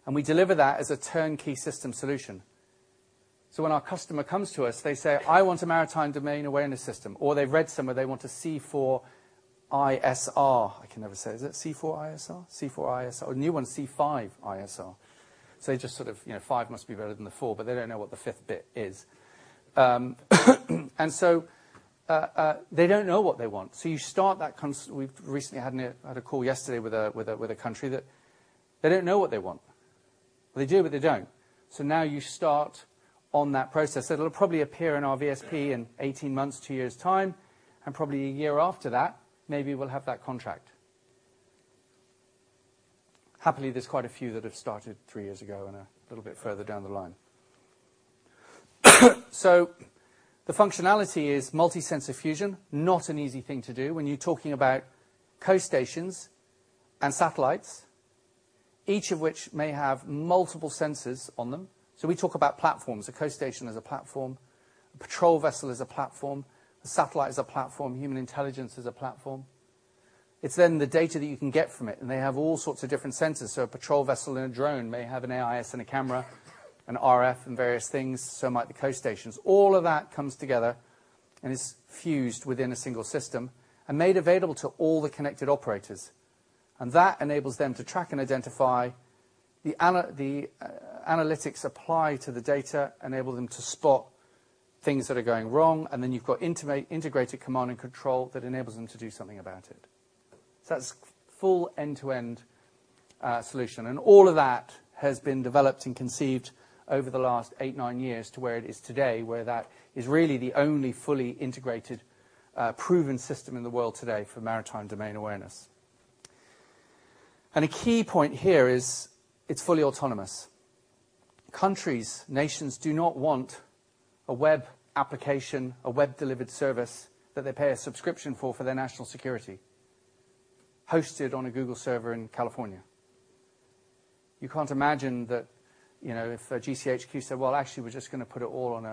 We deliver that as a turnkey system solution. When our customer comes to us, they say, "I want a maritime domain awareness system," or they've read somewhere, they want a C4ISR. I can never say. Is it C4ISR? C4ISR. A new one, C5ISR. They just sort of, you know, five must be better than the four, but they don't know what the fifth bit is. They don't know what they want. You start that process. We've recently had a call yesterday with a country that they don't know what they want. Well, they do, but they don't. Now you start on that process. It'll probably appear in our VSP in 18 months, two years' time, and probably one year after that, maybe we'll have that contract. Happily, there's quite a few that have started three years ago and a little bit further down the line. The functionality is multi-sensor fusion. Not an easy thing to do when you're talking about coast stations and satellites, each of which may have multiple sensors on them. We talk about platforms. A coast station is a platform. A patrol vessel is a platform. A satellite is a platform. Human intelligence is a platform. It's the data that you can get from it, and they have all sorts of different sensors. A patrol vessel in a drone may have an AIS and a camera, an RF and various things. Might the coast stations. All of that comes together and is fused within a single system and made available to all the connected operators, and that enables them to track and identify the analytics applied to the data, enable them to spot things that are going wrong, and then you've got integrated command and control that enables them to do something about it. That's full end-to-end solution, and all of that has been developed and conceived over the last eight, nine years to where it is today, where that is really the only fully integrated, proven system in the world today for maritime domain awareness. A key point here is it's fully autonomous. Countries, nations do not want a web application, a web-delivered service that they pay a subscription for their national security, hosted on a Google server in California. You can't imagine that, you know, if GCHQ said, "Well, actually, we're just gonna put it all on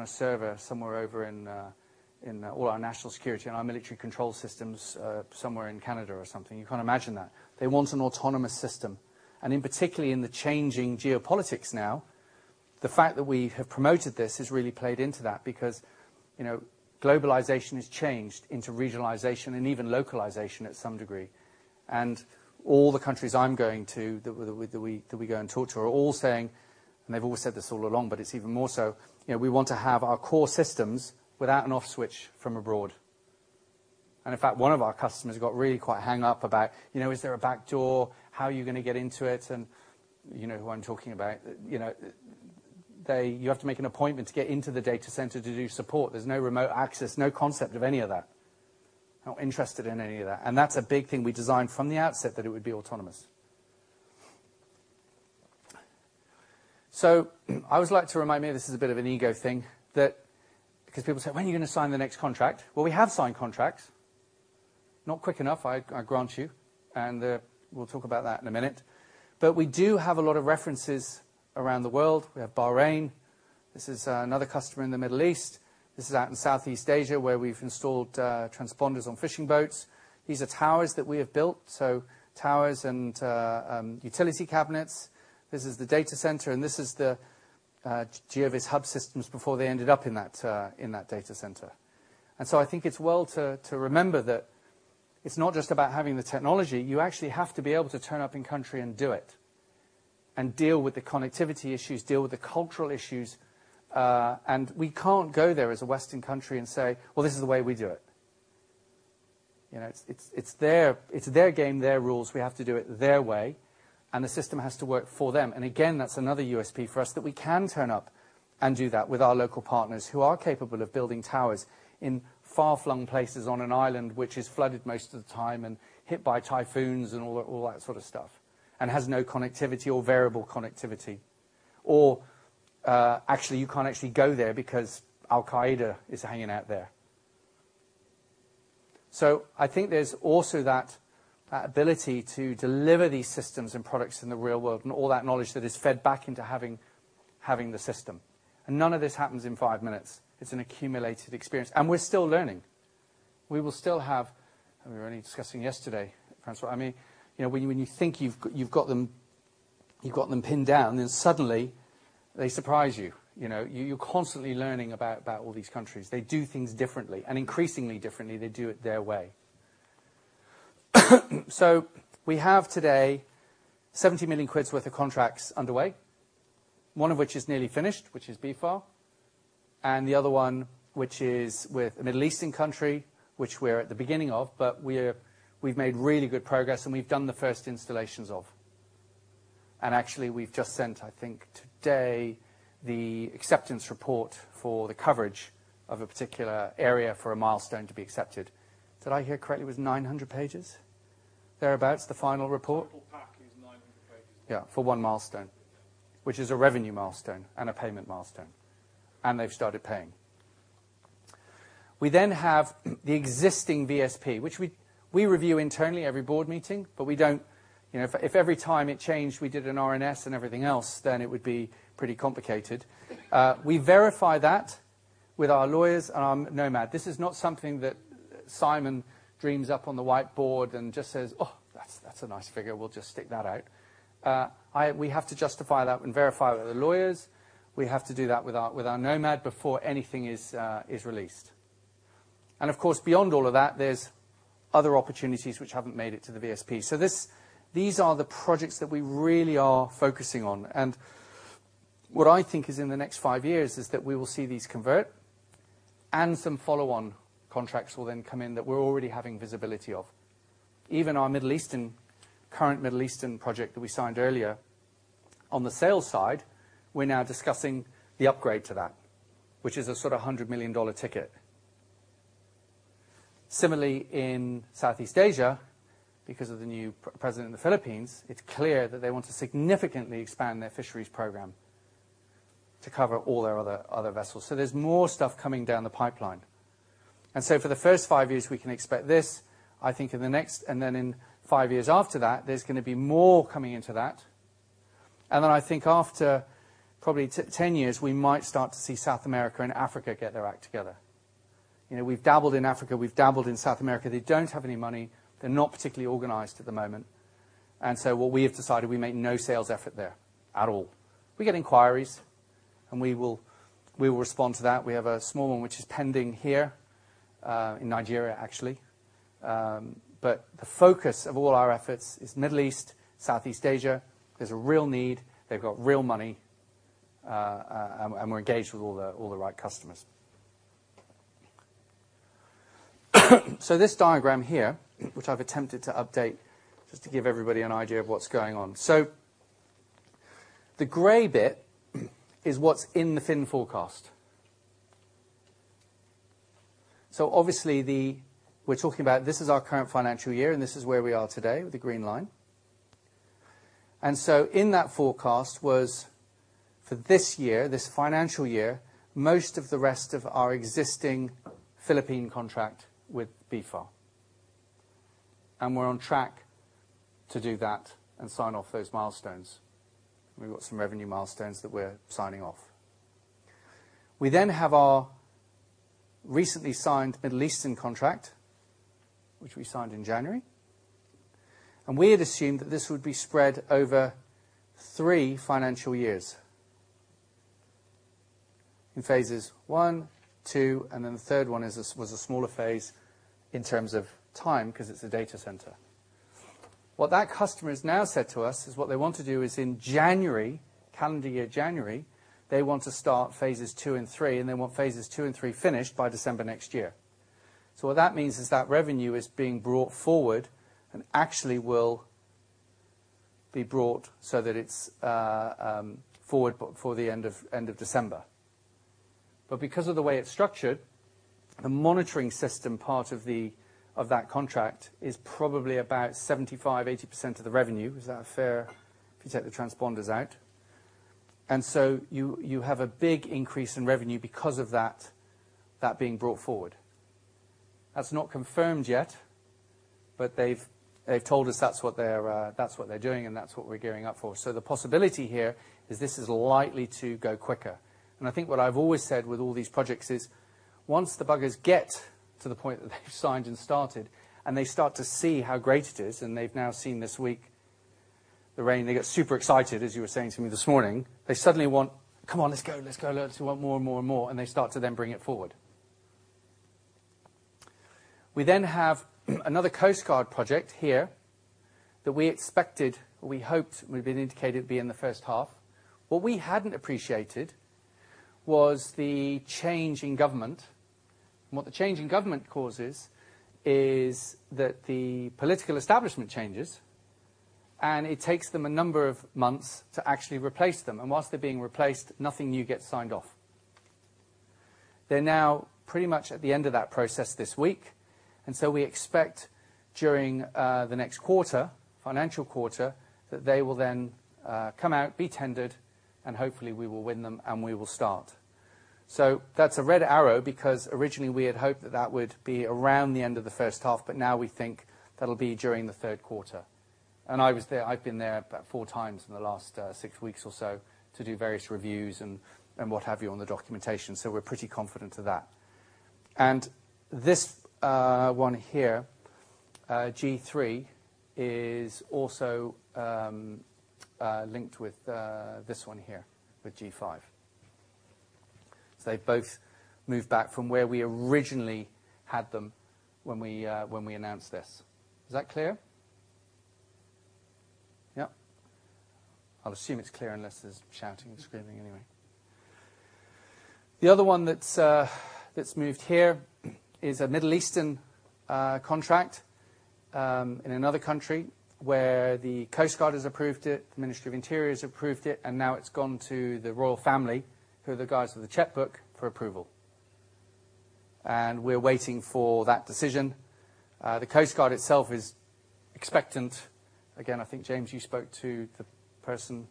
a server somewhere over in all our national security and our military control systems, somewhere in Canada or something." You can't imagine that. They want an autonomous system. In particular, in the changing geopolitics now, the fact that we have promoted this has really played into that because, you know, globalization has changed into regionalization and even localization at some degree. All the countries I'm going to, that we go and talk to are all saying, and they've always said this all along, but it's even more so, you know, "We want to have our core systems without an off switch from abroad." In fact, one of our customers got really quite hung up about, you know, "Is there a backdoor? How are you gonna get into it?" You know who I'm talking about. You know, they. You have to make an appointment to get into the data center to do support. There's no remote access, no concept of any of that. Not interested in any of that. That's a big thing we designed from the outset, that it would be autonomous. I always like to remind me, this is a bit of an ego thing, that because people say, "When are you gonna sign the next contract?" Well, we have signed contracts. Not quick enough, I grant you, and we'll talk about that in a minute. We do have a lot of references around the world. We have Bahrain. This is another customer in the Middle East. This is out in Southeast Asia, where we've installed transponders on fishing boats. These are towers that we have built, so towers and utility cabinets. This is the data center, and this is the GeoVS hub systems before they ended up in that data center. I think it's well to remember that it's not just about having the technology. You actually have to be able to turn up in country and do it and deal with the connectivity issues, deal with the cultural issues. We can't go there as a Western country and say, "Well, this is the way we do it." You know, it's their game, their rules. We have to do it their way, and the system has to work for them. Again, that's another USP for us that we can turn up and do that with our local partners who are capable of building towers in far-flung places on an island which is flooded most of the time and hit by typhoons and all that sort of stuff, and has no connectivity or variable connectivity. Or, actually, you can't actually go there because Al-Qaeda is hanging out there. I think there's also that ability to deliver these systems and products in the real world and all that knowledge that is fed back into having the system. None of this happens in five minutes. It's an accumulated experience. We're still learning. We will still have. We were only discussing yesterday, Francois. I mean, you know when you think you've got them pinned down, and suddenly they surprise you. You know, you're constantly learning about all these countries. They do things differently. Increasingly differently, they do it their way. We have today 70 million worth of contracts underway, one of which is nearly finished, which is BFAR, and the other one, which is with a Middle Eastern country, which we're at the beginning of, but we're, we've made really good progress, and we've done the first installations of. Actually, we've just sent, I think today, the acceptance report for the coverage of a particular area for a milestone to be accepted. Did I hear correctly it was 900 pages, thereabout, the final report? Total pack is 900 pages. Yeah, for one milestone. Which is a revenue milestone and a payment milestone, and they've started paying. We then have the existing VSP, which we review internally every board meeting, but we don't. You know, if every time it changed, we did an RNS and everything else, then it would be pretty complicated. We verify that with our lawyers and our Nomad. This is not something that Simon dreams up on the whiteboard and just says, "Oh, that's a nice figure. We'll just stick that out." We have to justify that and verify with the lawyers. We have to do that with our Nomad before anything is released. Of course, beyond all of that, there's other opportunities which haven't made it to the VSP. These are the projects that we really are focusing on. What I think is in the next five years is that we will see these convert and some follow-on contracts will then come in that we're already having visibility of. Even our Middle Eastern, current Middle Eastern project that we signed earlier, on the sales side, we're now discussing the upgrade to that, which is a sort of $100 million ticket. Similarly, in Southeast Asia, because of the new President of the Philippines, it's clear that they want to significantly expand their fisheries program to cover all their other vessels. There's more stuff coming down the pipeline. For the first five years, we can expect this. I think in the next, and then in five years after that, there's gonna be more coming into that. I think after probably 10 years, we might start to see South America and Africa get their act together. You know, we've dabbled in Africa, we've dabbled in South America. They don't have any money. They're not particularly organized at the moment. What we have decided, we make no sales effort there at all. We get inquiries, and we will respond to that. We have a small one which is pending here in Nigeria, actually. But the focus of all our efforts is Middle East, Southeast Asia. There's a real need, they've got real money, and we're engaged with all the right customers. This diagram here, which I've attempted to update just to give everybody an idea of what's going on. The gray bit is what's in the finnCap forecast. Obviously the. We're talking about this is our current financial year, and this is where we are today with the green line. In that forecast was, for this year, this financial year, most of the rest of our existing Philippine contract with BFAR. We're on track to do that and sign off those milestones. We've got some revenue milestones that we're signing off. We then have our recently signed Middle Eastern contract, which we signed in January, and we had assumed that this would be spread over three financial years. In phases one, two, and then the third one is a, was a smaller phase in terms of time because it's a data center. What that customer has now said to us is what they want to do is in January, calendar year January, they want to start phases II and III, and they want phases 2 and 3 finished by December next year. What that means is that revenue is being brought forward and actually will be brought so that it's forward before the end of December. But because of the way it's structured, the monitoring system part of that contract is probably about 75%-80% of the revenue. Is that fair if you take the transponders out? You have a big increase in revenue because of that being brought forward. That's not confirmed yet, but they've told us that's what they're doing, and that's what we're gearing up for. The possibility here is this is likely to go quicker. I think what I've always said with all these projects is, once the buggers get to the point that they signed and started, and they start to see how great it is, and they've now seen this week, the rain, they get super excited, as you were saying to me this morning. They suddenly want, "Come on, let's go, let's go." They want more and more and more, and they start to then bring it forward. We then have another Coast Guard project here that we expected, we hoped would've been indicated, be in the first half. What we hadn't appreciated was the change in government. What the change in government causes is that the political establishment changes, and it takes them a number of months to actually replace them. While they're being replaced, nothing new gets signed off. They're now pretty much at the end of that process this week, and so we expect during the next quarter, financial quarter, that they will then come out, be tendered, and hopefully we will win them and we will start. That's a red arrow, because originally we had hoped that that would be around the end of the first half, but now we think that'll be during the third quarter. I was there. I've been there about four times in the last six weeks or so to do various reviews and what have you on the documentation, so we're pretty confident of that. This one here, G3, is also linked with this one here, with G5. They both move back from where we originally had them when we announced this. Is that clear? Yeah. I'll assume it's clear unless there's shouting and screaming anyway. The other one that's moved here is a Middle Eastern contract in another country where the Coast Guard has approved it, the Ministry of Interior has approved it, and now it's gone to the royal family, who are the guys with the checkbook, for approval. We're waiting for that decision. The Coast Guard itself is expectant. Again, I think, James, you spoke to the person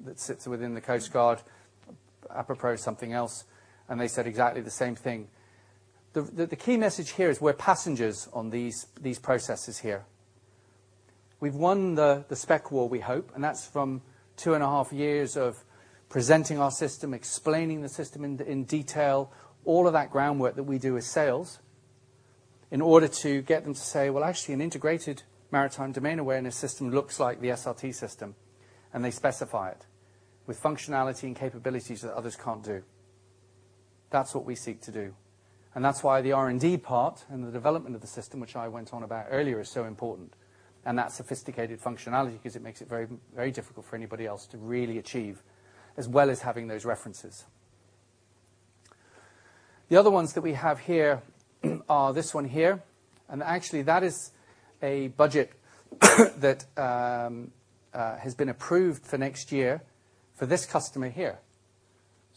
that sits within the Coast Guard apropos something else, and they said exactly the same thing. The key message here is we're passengers on these processes here. We've won the spec war, we hope, and that's from two and a half years of presenting our system, explaining the system in detail, all of that groundwork that we do with sales, in order to get them to say, "Well, actually an integrated maritime domain awareness system looks like the SRT system." They specify it with functionality and capabilities that others can't do. That's what we seek to do. That's why the R&D part and the development of the system, which I went on about earlier, is so important. That sophisticated functionality, 'cause it makes it very, very difficult for anybody else to really achieve, as well as having those references. The other ones that we have here are this one here. Actually, that is a budget that has been approved for next year for this customer here.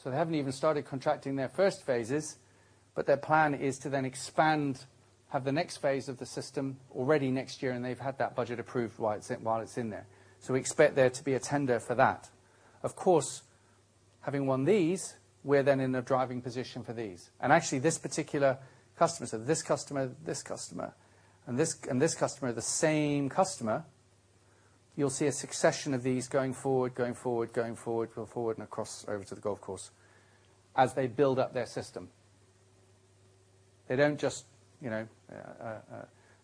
They haven't even started contracting their first phases, but their plan is to then expand, have the next phase of the system already next year, and they've had that budget approved while it's in there. We expect there to be a tender for that. Of course, having won these, we're then in a driving position for these. Actually, this particular customer, this customer and this customer, are the same customer. You'll see a succession of these going forward and across over to the Gulf Coast as they build up their system. They don't just, you know,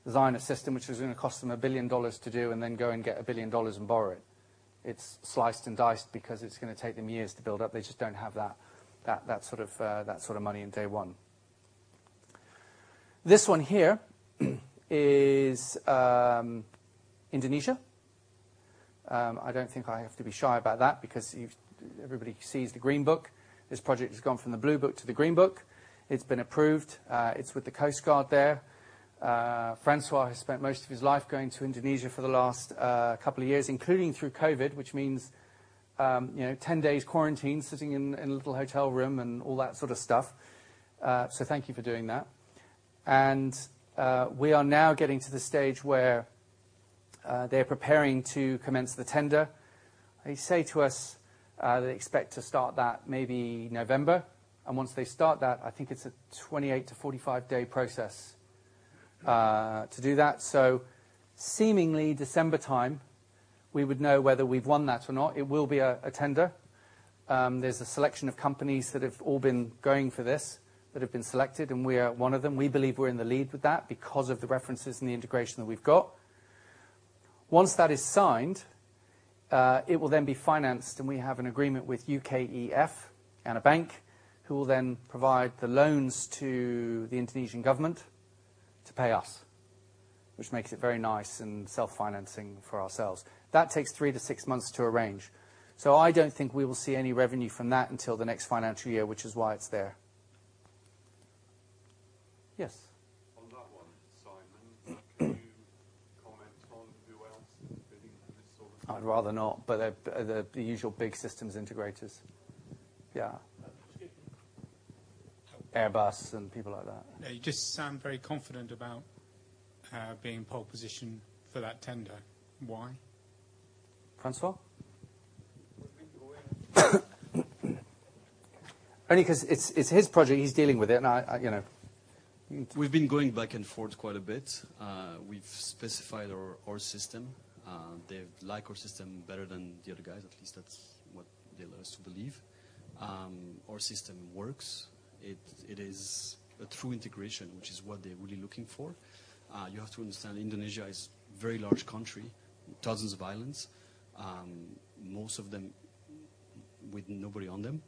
design a system which is gonna cost them $1 billion to do and then go and get $1 billion and borrow it. It's sliced and diced because it's gonna take them years to build up. They just don't have that sort of money in day one. This one here is Indonesia. I don't think I have to be shy about that because everybody sees the green book. This project has gone from the blue book to the green book. It's been approved. It's with the Coast Guard there. Francois has spent most of his life going to Indonesia for the last couple of years, including through COVID, which means, you know, 10 days quarantine, sitting in a little hotel room and all that sort of stuff. Thank you for doing that. We are now getting to the stage where they're preparing to commence the tender. They say to us, they expect to start that maybe November. Once they start that, I think it's a 28-45 day process to do that. Seemingly December time, we would know whether we've won that or not. It will be a tender. There's a selection of companies that have all been going for this that have been selected, and we are one of them. We believe we're in the lead with that because of the references and the integration that we've got. Once that is signed, it will then be financed, and we have an agreement with UKEF and a bank who will then provide the loans to the Indonesian government to pay us, which makes it very nice and self-financing for ourselves. That takes three to six months to arrange. I don't think we will see any revenue from that until the next financial year, which is why it's there. Yes. On that one, Simon, can you comment on who else is bidding for this sort of thing? I'd rather not, but they're the usual big systems integrators. Yeah. Excuse me. Airbus and people like that. Yeah, you just sound very confident about being pole position for that tender. Why? Francois? We've been going. Only 'cause it's his project, he's dealing with it, and I you know. We've been going back and forth quite a bit. We've specified our system. They like our system better than the other guys, at least that's what they allow us to believe. Our system works. It is a true integration, which is what they're really looking for. You have to understand, Indonesia is a very large country, dozens of islands, most of them with nobody on them.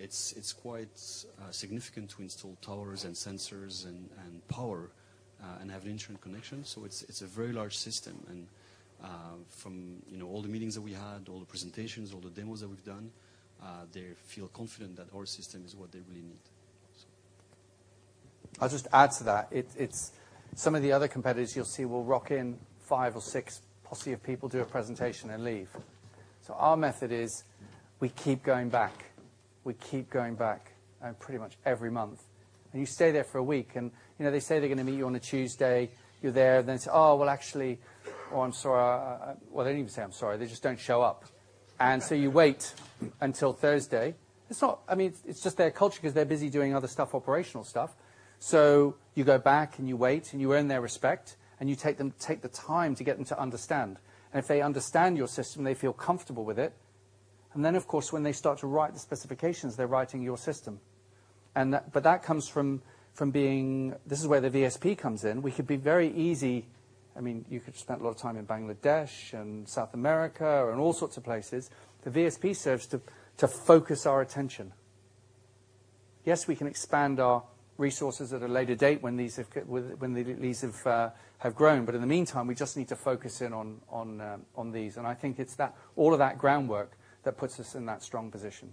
It's quite significant to install towers and sensors and power and have internet connection, so it's a very large system. From you know, all the meetings that we had, all the presentations, all the demos that we've done, they feel confident that our system is what they really need, so. I'll just add to that. It's some of the other competitors you'll see will roll in five or six posse of people, do a presentation and leave. Our method is we keep going back pretty much every month. You stay there for a week, and you know, they say they're gonna meet you on a Tuesday. You're there, and then they say, "Oh, well, actually," or, "I'm sorry." Well, they don't even say I'm sorry, they just don't show up. You wait until Thursday. It's not. I mean, it's just their culture 'cause they're busy doing other stuff, operational stuff. You go back and you wait and you earn their respect, and you take the time to get them to understand. If they understand your system, they feel comfortable with it. Then, of course, when they start to write the specifications, they're writing your system. That comes from being. This is where the VSP comes in. We could be very busy. I mean, you could spend a lot of time in Bangladesh and South America and all sorts of places. The VSP serves to focus our attention. Yes, we can expand our resources at a later date when these have grown. In the meantime, we just need to focus in on these. I think it's all of that groundwork that puts us in that strong position.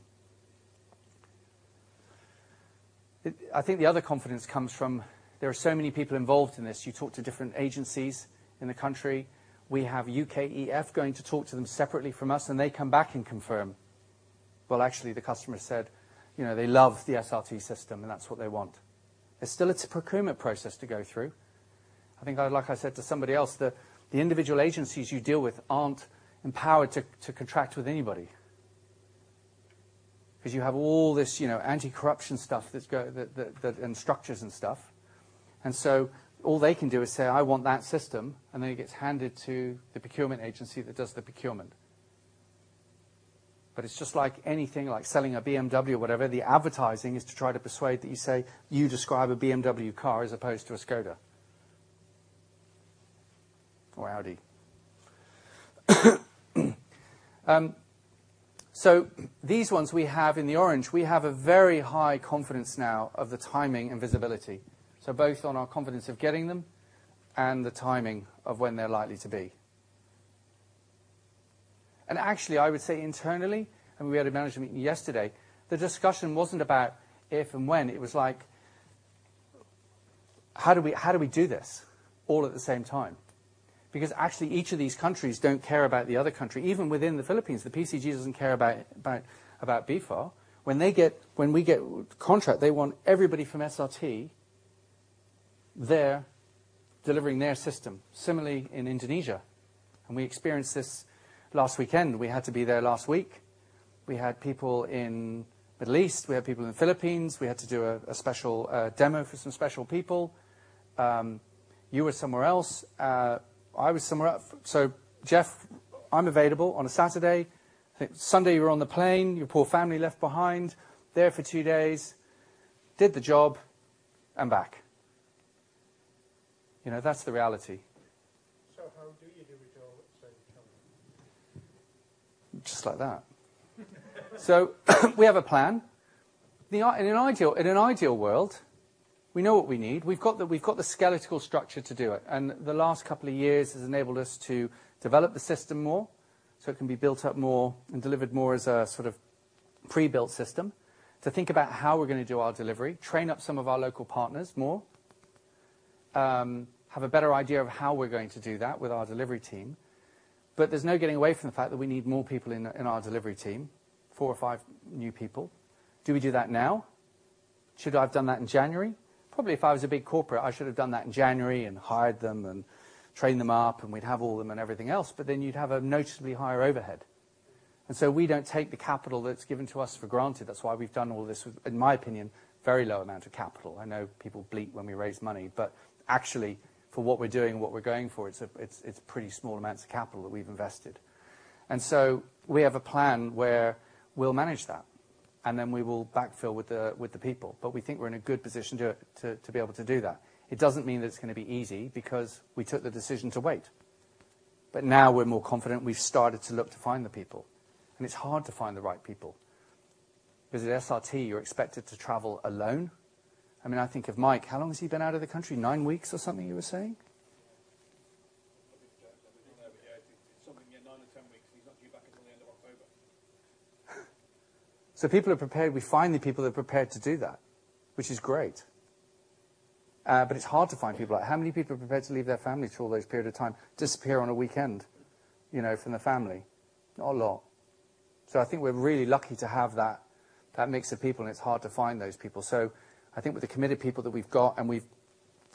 I think the other confidence comes from, there are so many people involved in this. You talk to different agencies in the country. We have UKEF going to talk to them separately from us, and they come back and confirm, "Well, actually, the customer said, you know, they love the SRT system, and that's what they want." There's still the procurement process to go through. I think, like I said to somebody else, the individual agencies you deal with aren't empowered to contract with anybody. 'Cause you have all this, you know, anti-corruption stuff and structures and stuff. All they can do is say, "I want that system," and then it gets handed to the procurement agency that does the procurement. It's just like anything, like selling a BMW or whatever. The advertising is to try to persuade that you say you describe a BMW car as opposed to a Škoda or Audi. These ones we have in the orange, we have a very high confidence now of the timing and visibility. Both on our confidence of getting them and the timing of when they're likely to be. Actually, I would say internally, and we had a management meeting yesterday, the discussion wasn't about if and when. It was like, how do we do this all at the same time? Because actually, each of these countries don't care about the other country. Even within the Philippines, the PCG doesn't care about BFAR. When we get contract, they want everybody from SRT there delivering their system. Similarly in Indonesia, we experienced this last weekend. We had to be there last week. We had people in Middle East. We had people in Philippines. We had to do a special demo for some special people. You were somewhere else. I was somewhere else. Jeff, I'm available on a Saturday. I think Sunday you were on the plane. Your poor family left behind. There for two days, did the job and back. You know, that's the reality. How do you do it all at the same time? Just like that. We have a plan. In an ideal world, we know what we need. We've got the skeletal structure to do it, and the last couple of years has enabled us to develop the system more, so it can be built up more and delivered more as a sort of pre-built system. To think about how we're gonna do our delivery, train up some of our local partners more, have a better idea of how we're going to do that with our delivery team. There's no getting away from the fact that we need more people in our delivery team, four or five new people. Do we do that now? Should I have done that in January? Probably if I was a big corporate, I should have done that in January and hired them and trained them up, and we'd have all of them and everything else. You'd have a noticeably higher overhead. We don't take the capital that's given to us for granted. That's why we've done all this with, in my opinion, very low amount of capital. I know people bleep when we raise money, but actually, for what we're doing and what we're going for, it's pretty small amounts of capital that we've invested. We have a plan where we'll manage that, and then we will backfill with the people. We think we're in a good position to be able to do that. It doesn't mean that it's gonna be easy because we took the decision to wait. Now we're more confident. We've started to look to find the people, and it's hard to find the right people. Because at SRT, you're expected to travel alone. I mean, I think of Mike. How long has he been out of the country? Nine weeks or something you were saying? Yeah. Something like that. Yeah, it's something, yeah, nine or 10 weeks. He's not due back until the end of October. People are prepared. We find the people that are prepared to do that, which is great, but it's hard to find people like that. How many people are prepared to leave their family for all those period of time, disappear on a weekend, you know, from their family? Not a lot. I think we're really lucky to have that mix of people, and it's hard to find those people. I think with the committed people that we've got, and we've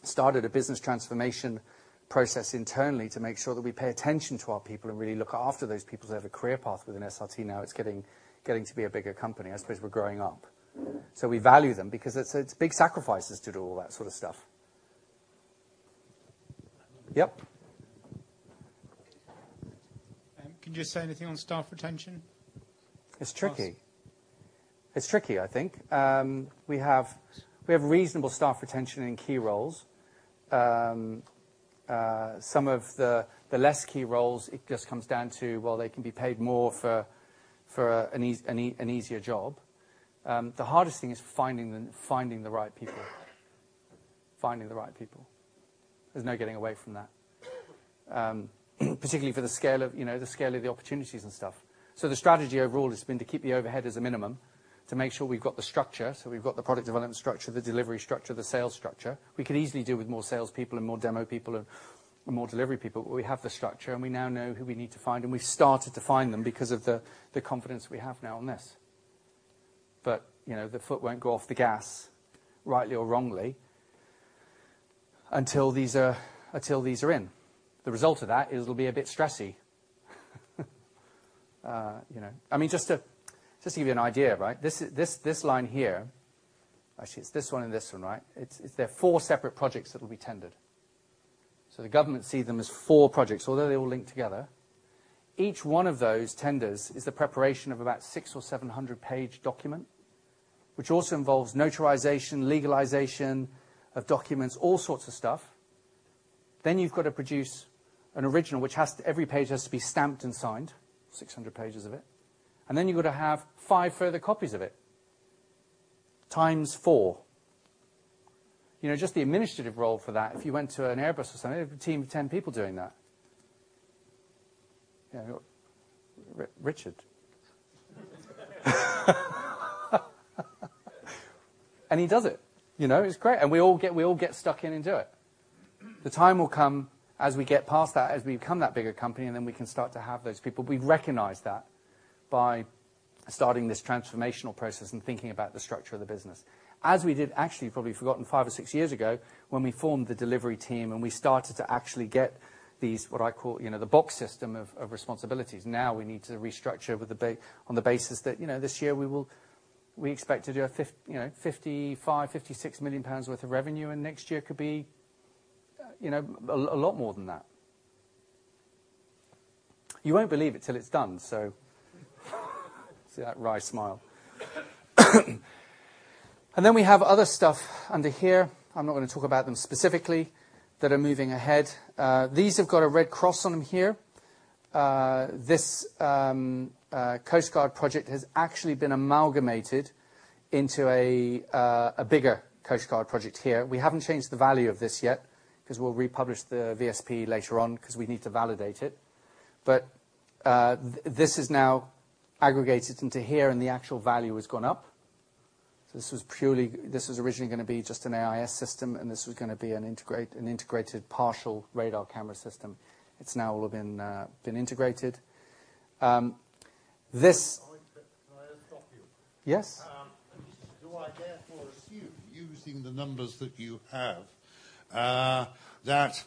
started a business transformation process internally to make sure that we pay attention to our people and really look after those people who have a career path within SRT now. It's getting to be a bigger company. I suppose we're growing up. We value them because it's big sacrifices to do all that sort of stuff. Yep. Can you say anything on staff retention? It's tricky. Staff. It's tricky, I think. We have reasonable staff retention in key roles. Some of the less key roles, it just comes down to, well, they can be paid more for an easier job. The hardest thing is finding the right people. There's no getting away from that. Particularly for the scale of, you know, the opportunities and stuff. The strategy overall has been to keep the overhead as a minimum, to make sure we've got the structure. We've got the product development structure, the delivery structure, the sales structure. We could easily do with more salespeople and more demo people and more delivery people, but we have the structure, and we now know who we need to find, and we've started to find them because of the confidence we have now on this. You know, the foot won't go off the gas, rightly or wrongly, until these are in. The result of that is it'll be a bit stressy. I mean, just to give you an idea, right? This line here. Actually, it's this one and this one, right? It's. They're four separate projects that will be tendered. The government see them as four projects, although they all link together. Each one of those tenders is the preparation of about 600- or 700-page document, which also involves notarization, legalization of documents, all sorts of stuff. You've got to produce an original, which has to, every page has to be stamped and signed, 600 pages of it. You've got to have 5 further copies of it, times four. You know, just the administrative role for that, if you went to an Airbus or something, you'd have a team of 10 people doing that. Yeah, Richard. He does it. You know, it's great. We all get stuck in and do it. The time will come as we get past that, as we become that bigger company, and then we can start to have those people. We recognize that by starting this transformational process and thinking about the structure of the business. As we did, actually, you've probably forgotten, five or six years ago, when we formed the delivery team and we started to actually get these, what I call, you know, the box system of responsibilities. Now we need to restructure on the basis that, you know, this year we expect to do 55 million-56 million pounds worth of revenue, and next year could be, you know, a lot more than that. You won't believe it till it's done, so see that wry smile. Then we have other stuff under here, I'm not gonna talk about them specifically, that are moving ahead. These have got a red cross on them here. This Coast Guard project has actually been amalgamated into a bigger Coast Guard project here. We haven't changed the value of this yet because we'll republish the VSP later on because we need to validate it. This is now aggregated into here, and the actual value has gone up. This was purely this was originally gonna be just an AIS system, and this was gonna be an integrated partial radar camera system. It's now all been integrated. This Can I just stop you? Yes. Do I therefore assume, using the numbers that you have, that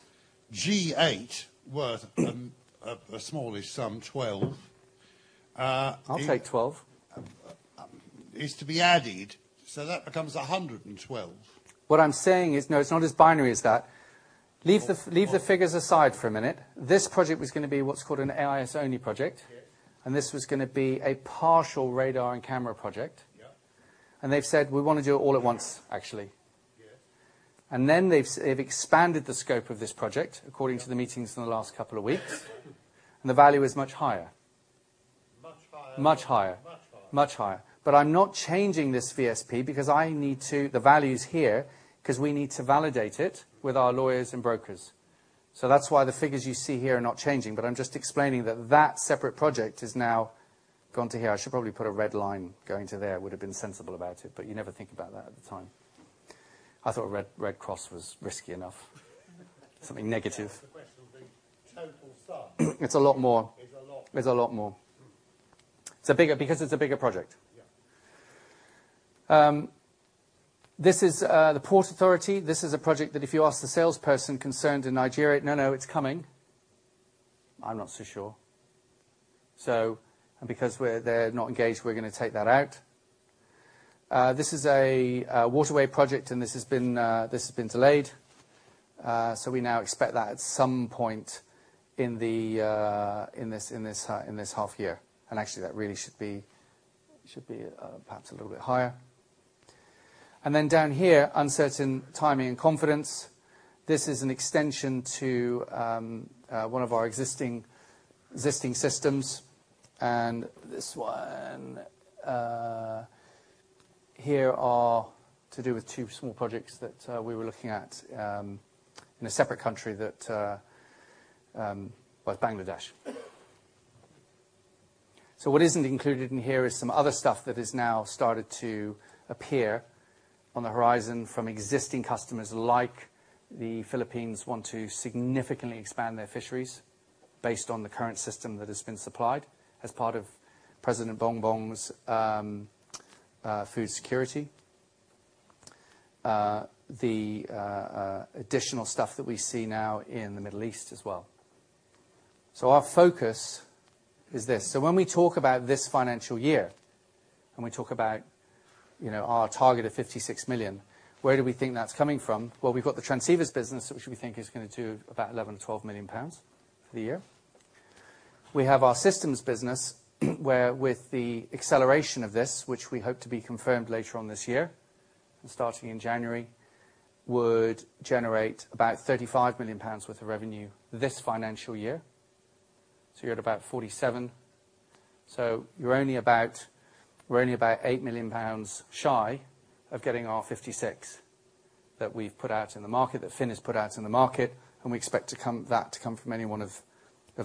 G8 was a small-ish sum, 12? I'll take 12. Is to be added, so that becomes 112? What I'm saying is, no, it's not as binary as that. Oh Leave the figures aside for a minute. This project was gonna be what's called an AIS only project. Yes. This was gonna be a partial radar and camera project. Yeah. They've said, "We wanna do it all at once, actually. Yes. Then they've expanded the scope of this project according to the meetings in the last couple of weeks. The value is much higher. Much higher? Much higher. Much higher. I'm not changing this VSP because I need to. The value's here 'cause we need to validate it with our lawyers and brokers. That's why the figures you see here are not changing. I'm just explaining that separate project has now gone to here. I should probably put a red line going to there, would have been sensible about it, but you never think about that at the time. I thought a red cross was risky enough. Something negative. The question would be total sum. It's a lot more. It's a lot more. It's a lot more. Mm-hmm. Because it's a bigger project. Yeah. This is the Port Authority. This is a project that if you ask the salesperson concerned in Nigeria, "No, no, it's coming," I'm not so sure. Because they're not engaged, we're gonna take that out. This is a waterway project, and this has been delayed. We now expect that at some point in this half year. Actually, that really should be perhaps a little bit higher. Then down here, uncertain timing and confidence. This is an extension to one of our existing systems. This one here are two small projects that we were looking at in a separate country that. Well, it's bang on. What isn't included in here is some other stuff that has now started to appear on the horizon from existing customers, like the Philippines want to significantly expand their fisheries based on the current system that has been supplied as part of President Bongbong's food security. The additional stuff that we see now in the Middle East as well. Our focus is this. When we talk about this financial year, and we talk about, you know, our target of 56 million, where do we think that's coming from? Well, we've got the transceivers business, which we think is gonna do about 11 million-12 million pounds for the year. We have our systems business where with the acceleration of this, which we hope to be confirmed later on this year, starting in January, would generate about 35 million pounds worth of revenue this financial year. You're at about 47. We're only about 8 million pounds shy of getting our 56 that we've put out in the market, that finnCap has put out in the market, and we expect that to come from any one of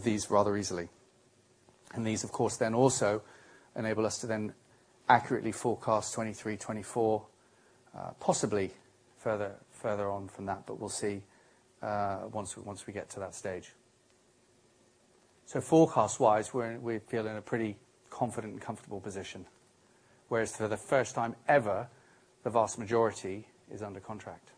these rather easily. These, of course, then also enable us to then accurately forecast 2023, 2024, possibly further on from that. We'll see, once we get to that stage. Forecast-wise, we're, we feel in a pretty confident and comfortable position, whereas for the first time ever, the vast majority is under contract.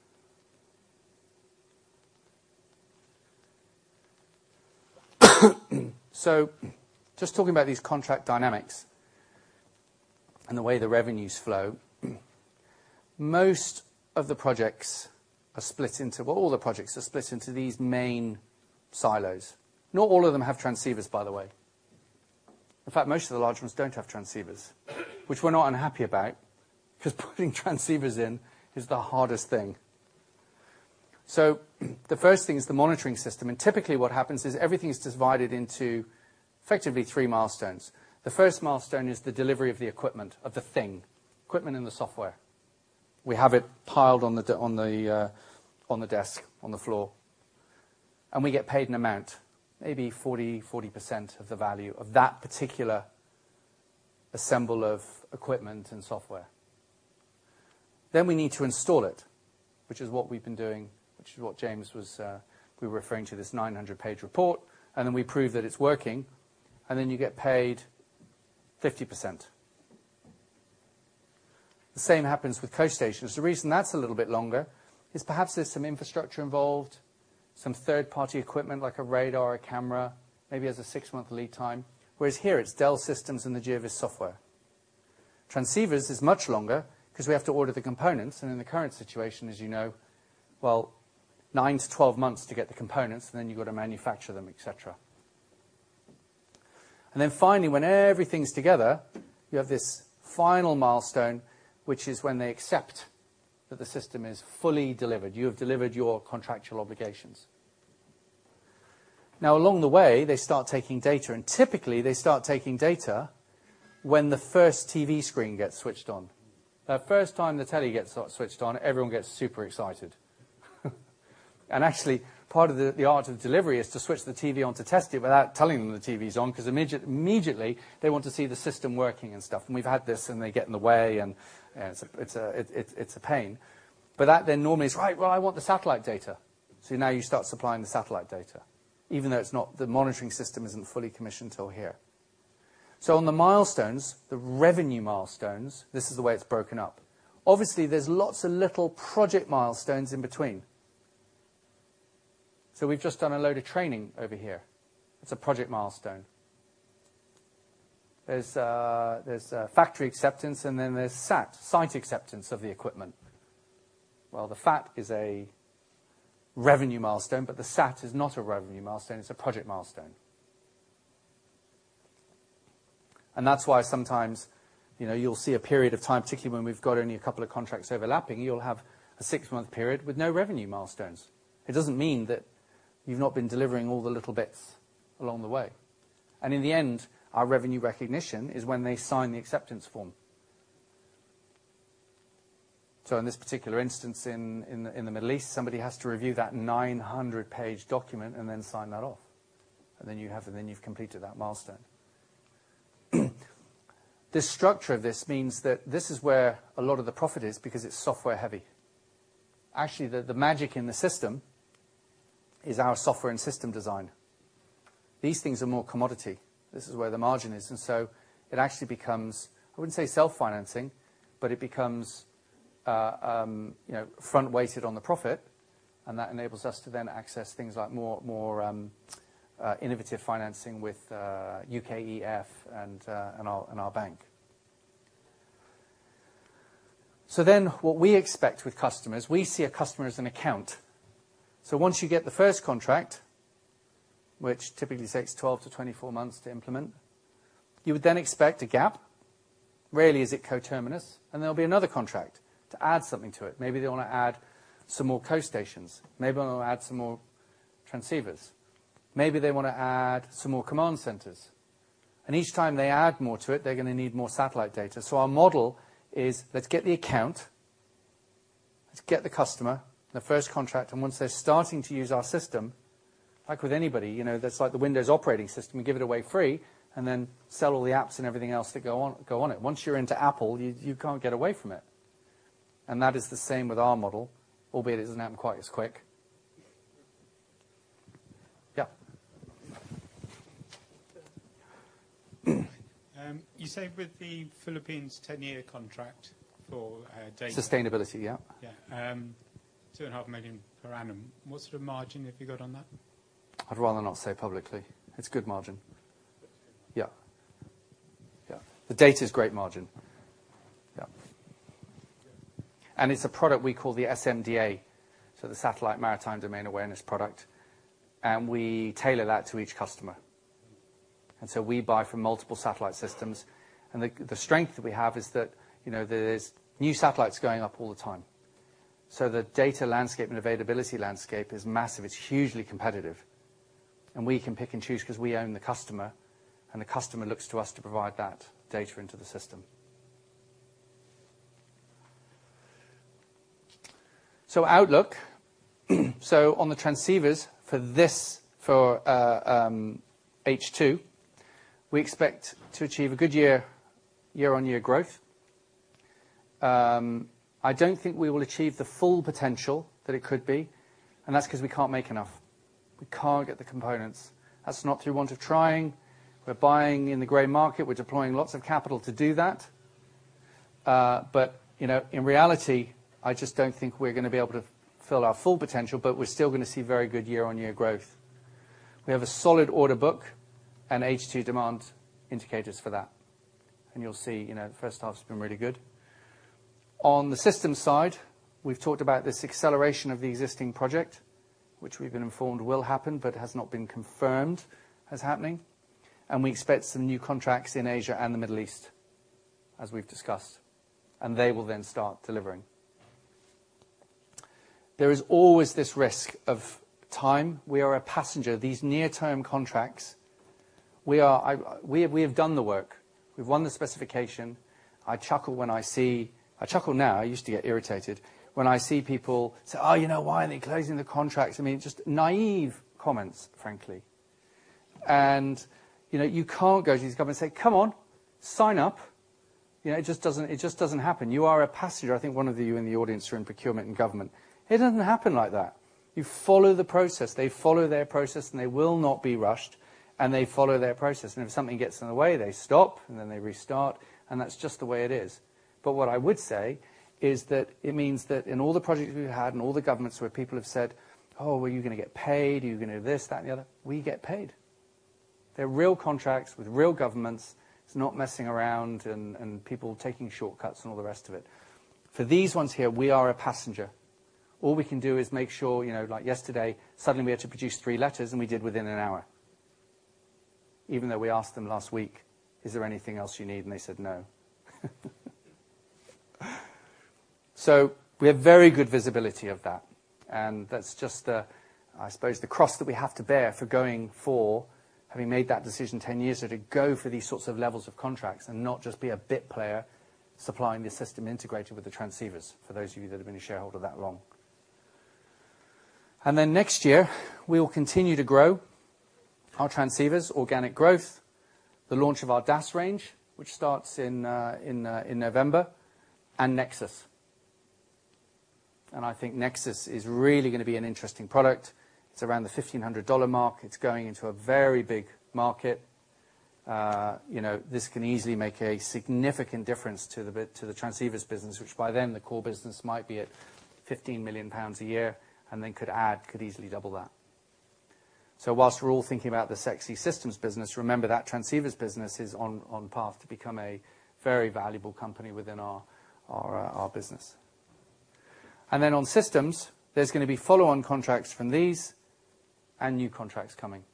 Just talking about these contract dynamics and the way the revenues flow, most of the projects are split into these main silos. Well, all the projects are split into these main silos. Not all of them have transceivers, by the way. In fact, most of the large ones don't have transceivers, which we're not unhappy about 'cause putting transceivers in is the hardest thing. The first thing is the monitoring system, and typically what happens is everything is divided into effectively three milestones. The first milestone is the delivery of the equipment, of the thing, equipment and the software. We have it piled on the desk, on the floor, and we get paid an amount, maybe 40% of the value of that particular assembly of equipment and software. We need to install it, which is what we've been doing, which is what James was, we were referring to this 900-page report, and then we prove that it's working, and then you get paid 50%. The same happens with coast stations. The reason that's a little bit longer is perhaps there's some infrastructure involved, some third-party equipment like a radar or camera, maybe has a 6-month lead time, whereas here it's Dell systems and the GeoVS software. Transceivers is much longer 'cause we have to order the components, and in the current situation, as you know, nine to 12 months to get the components, and then you've got to manufacture them, et cetera. Finally, when everything's together, you have this final milestone, which is when they accept that the system is fully delivered. You have delivered your contractual obligations. Now along the way, they start taking data, and typically they start taking data when the first TV screen gets switched on. The first time the telly gets switched on, everyone gets super excited. Actually, part of the art of delivery is to switch the TV on to test it without telling them the TV's on, 'cause immediately they want to see the system working and stuff. We've had this, and they get in the way and it's a pain. That then normally is, "Right, well, I want the satellite data." Now you start supplying the satellite data, even though it's not the monitoring system isn't fully commissioned till here. On the milestones, the revenue milestones, this is the way it's broken up. Obviously, there's lots of little project milestones in between. We've just done a load of training over here. It's a project milestone. There's a factory acceptance, and then there's SAT, site acceptance of the equipment. Well, the FAT is a revenue milestone, but the SAT is not a revenue milestone. It's a project milestone. That's why sometimes, you know, you'll see a period of time, particularly when we've got only a couple of contracts overlapping, you'll have a six-month period with no revenue milestones. It doesn't mean that you've not been delivering all the little bits along the way. In the end, our revenue recognition is when they sign the acceptance form. In this particular instance in the Middle East, somebody has to review that 900-page document and then sign that off. Then you've completed that milestone. The structure of this means that this is where a lot of the profit is because it's software heavy. Actually, the magic in the system is our software and system design. These things are more commodity. This is where the margin is. It actually becomes, I wouldn't say self-financing, but it becomes, you know, front-weighted on the profit, and that enables us to then access things like more innovative financing with UKEF and our bank. What we expect with customers, we see a customer as an account. Once you get the first contract, which typically takes 12-24 months to implement, you would then expect a gap. Rarely is it coterminous, and there'll be another contract to add something to it. Maybe they wanna add some more coast stations. Maybe they wanna add some more transceivers. Maybe they wanna add some more command centers. Each time they add more to it, they're gonna need more satellite data. Our model is, let's get the customer, the first contract, and once they're starting to use our system, like with anybody, you know, that's like the Windows operating system. We give it away free and then sell all the apps and everything else that go on it. Once you're into Apple, you can't get away from it. That is the same with our model, albeit it doesn't happen quite as quick. Yeah. You say with the Philippines 10-year contract for data. Sustainability, yeah. Yeah. 2.5 million per annum. What sort of margin have you got on that? I'd rather not say publicly. It's good margin. Yeah. The data's great margin. Yeah. It's a product we call the S-MDA, so the Satellite Maritime Domain Awareness product, and we tailor that to each customer. We buy from multiple satellite systems, and the strength that we have is that, you know, there's new satellites going up all the time. The data landscape and availability landscape is massive. It's hugely competitive, and we can pick and choose 'cause we own the customer, and the customer looks to us to provide that data into the system. Outlook. On the transceivers for H2, we expect to achieve a good year-on-year growth. I don't think we will achieve the full potential that it could be, and that's 'cause we can't make enough. We can't get the components. That's not through want of trying. We're buying in the gray market. We're deploying lots of capital to do that. But, you know, in reality, I just don't think we're gonna be able to fill our full potential, but we're still gonna see very good year-on-year growth. We have a solid order book and H2 demand indicators for that, and you'll see, you know, the first half's been really good. On the systems side, we've talked about this acceleration of the existing project, which we've been informed will happen, but has not been confirmed as happening. We expect some new contracts in Asia and the Middle East, as we've discussed, and they will then start delivering. There is always this risk of timing. We are passive. These near-term contracts, we have done the work. We've won the specification. I chuckle when I see. I chuckle now. I used to get irritated when I see people say, "Oh, you know, why aren't they closing the contracts?" I mean, just naive comments, frankly. You know, you can't go to these governments and say, "Come on, sign up." You know, it just doesn't happen. You are a passenger. I think one of you in the audience are in procurement and government. It doesn't happen like that. You follow the process. They follow their process, and they will not be rushed, and they follow their process. If something gets in the way, they stop, and then they restart, and that's just the way it is. What I would say is that it means that in all the projects we've had and all the governments where people have said, "Oh, well, are you gonna get paid? Are you gonna do this, that and the other?" We get paid. They're real contracts with real governments. It's not messing around and people taking shortcuts and all the rest of it. For these ones here, we are a passenger. All we can do is make sure, you know, like yesterday, suddenly we had to produce three letters, and we did within an hour. Even though we asked them last week, "Is there anything else you need?" They said, "No." We have very good visibility of that, and that's just the, I suppose, the cross that we have to bear for going for having made that decision 10 years ago to go for these sorts of levels of contracts and not just be a bit player supplying the system integrated with the transceivers, for those of you that have been a shareholder that long. Next year, we will continue to grow our transceivers, organic growth, the launch of our DAS range, which starts in November, and Nexus. I think Nexus is really gonna be an interesting product. It's around the $1,500 mark. It's going into a very big market. You know, this can easily make a significant difference to the transceivers business, which by then the core business might be at 15 million pounds a year and then could add, could easily double that. While we're all thinking about the sexy systems business, remember that transceivers business is on path to become a very valuable company within our business. On systems, there's gonna be follow-on contracts from these and new contracts coming.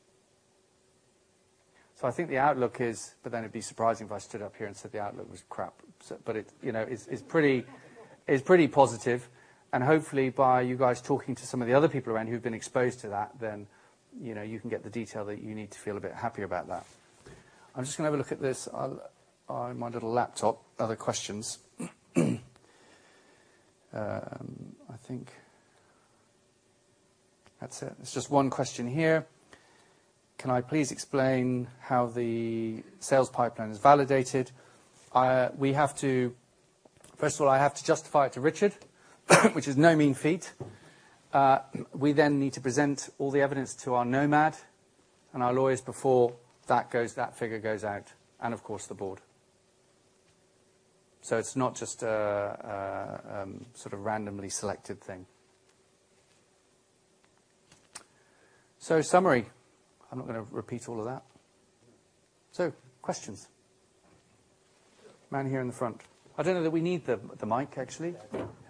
I think the outlook is. It'd be surprising if I stood up here and said the outlook was crap. It you know it's pretty positive. Hopefully, by you guys talking to some of the other people around who've been exposed to that, you know, you can get the detail that you need to feel a bit happier about that. I'm just gonna have a look at this on my little laptop, other questions. I think that's it. There's just one question here. Can I please explain how the sales pipeline is validated? We have to. First of all, I have to justify it to Richard, which is no mean feat. We then need to present all the evidence to our Nomad and our lawyers before that figure goes out and of course the board. It's not just a sort of randomly selected thing. Summary, I'm not gonna repeat all of that. Questions? Man here in the front. I don't know that we need the mic actually.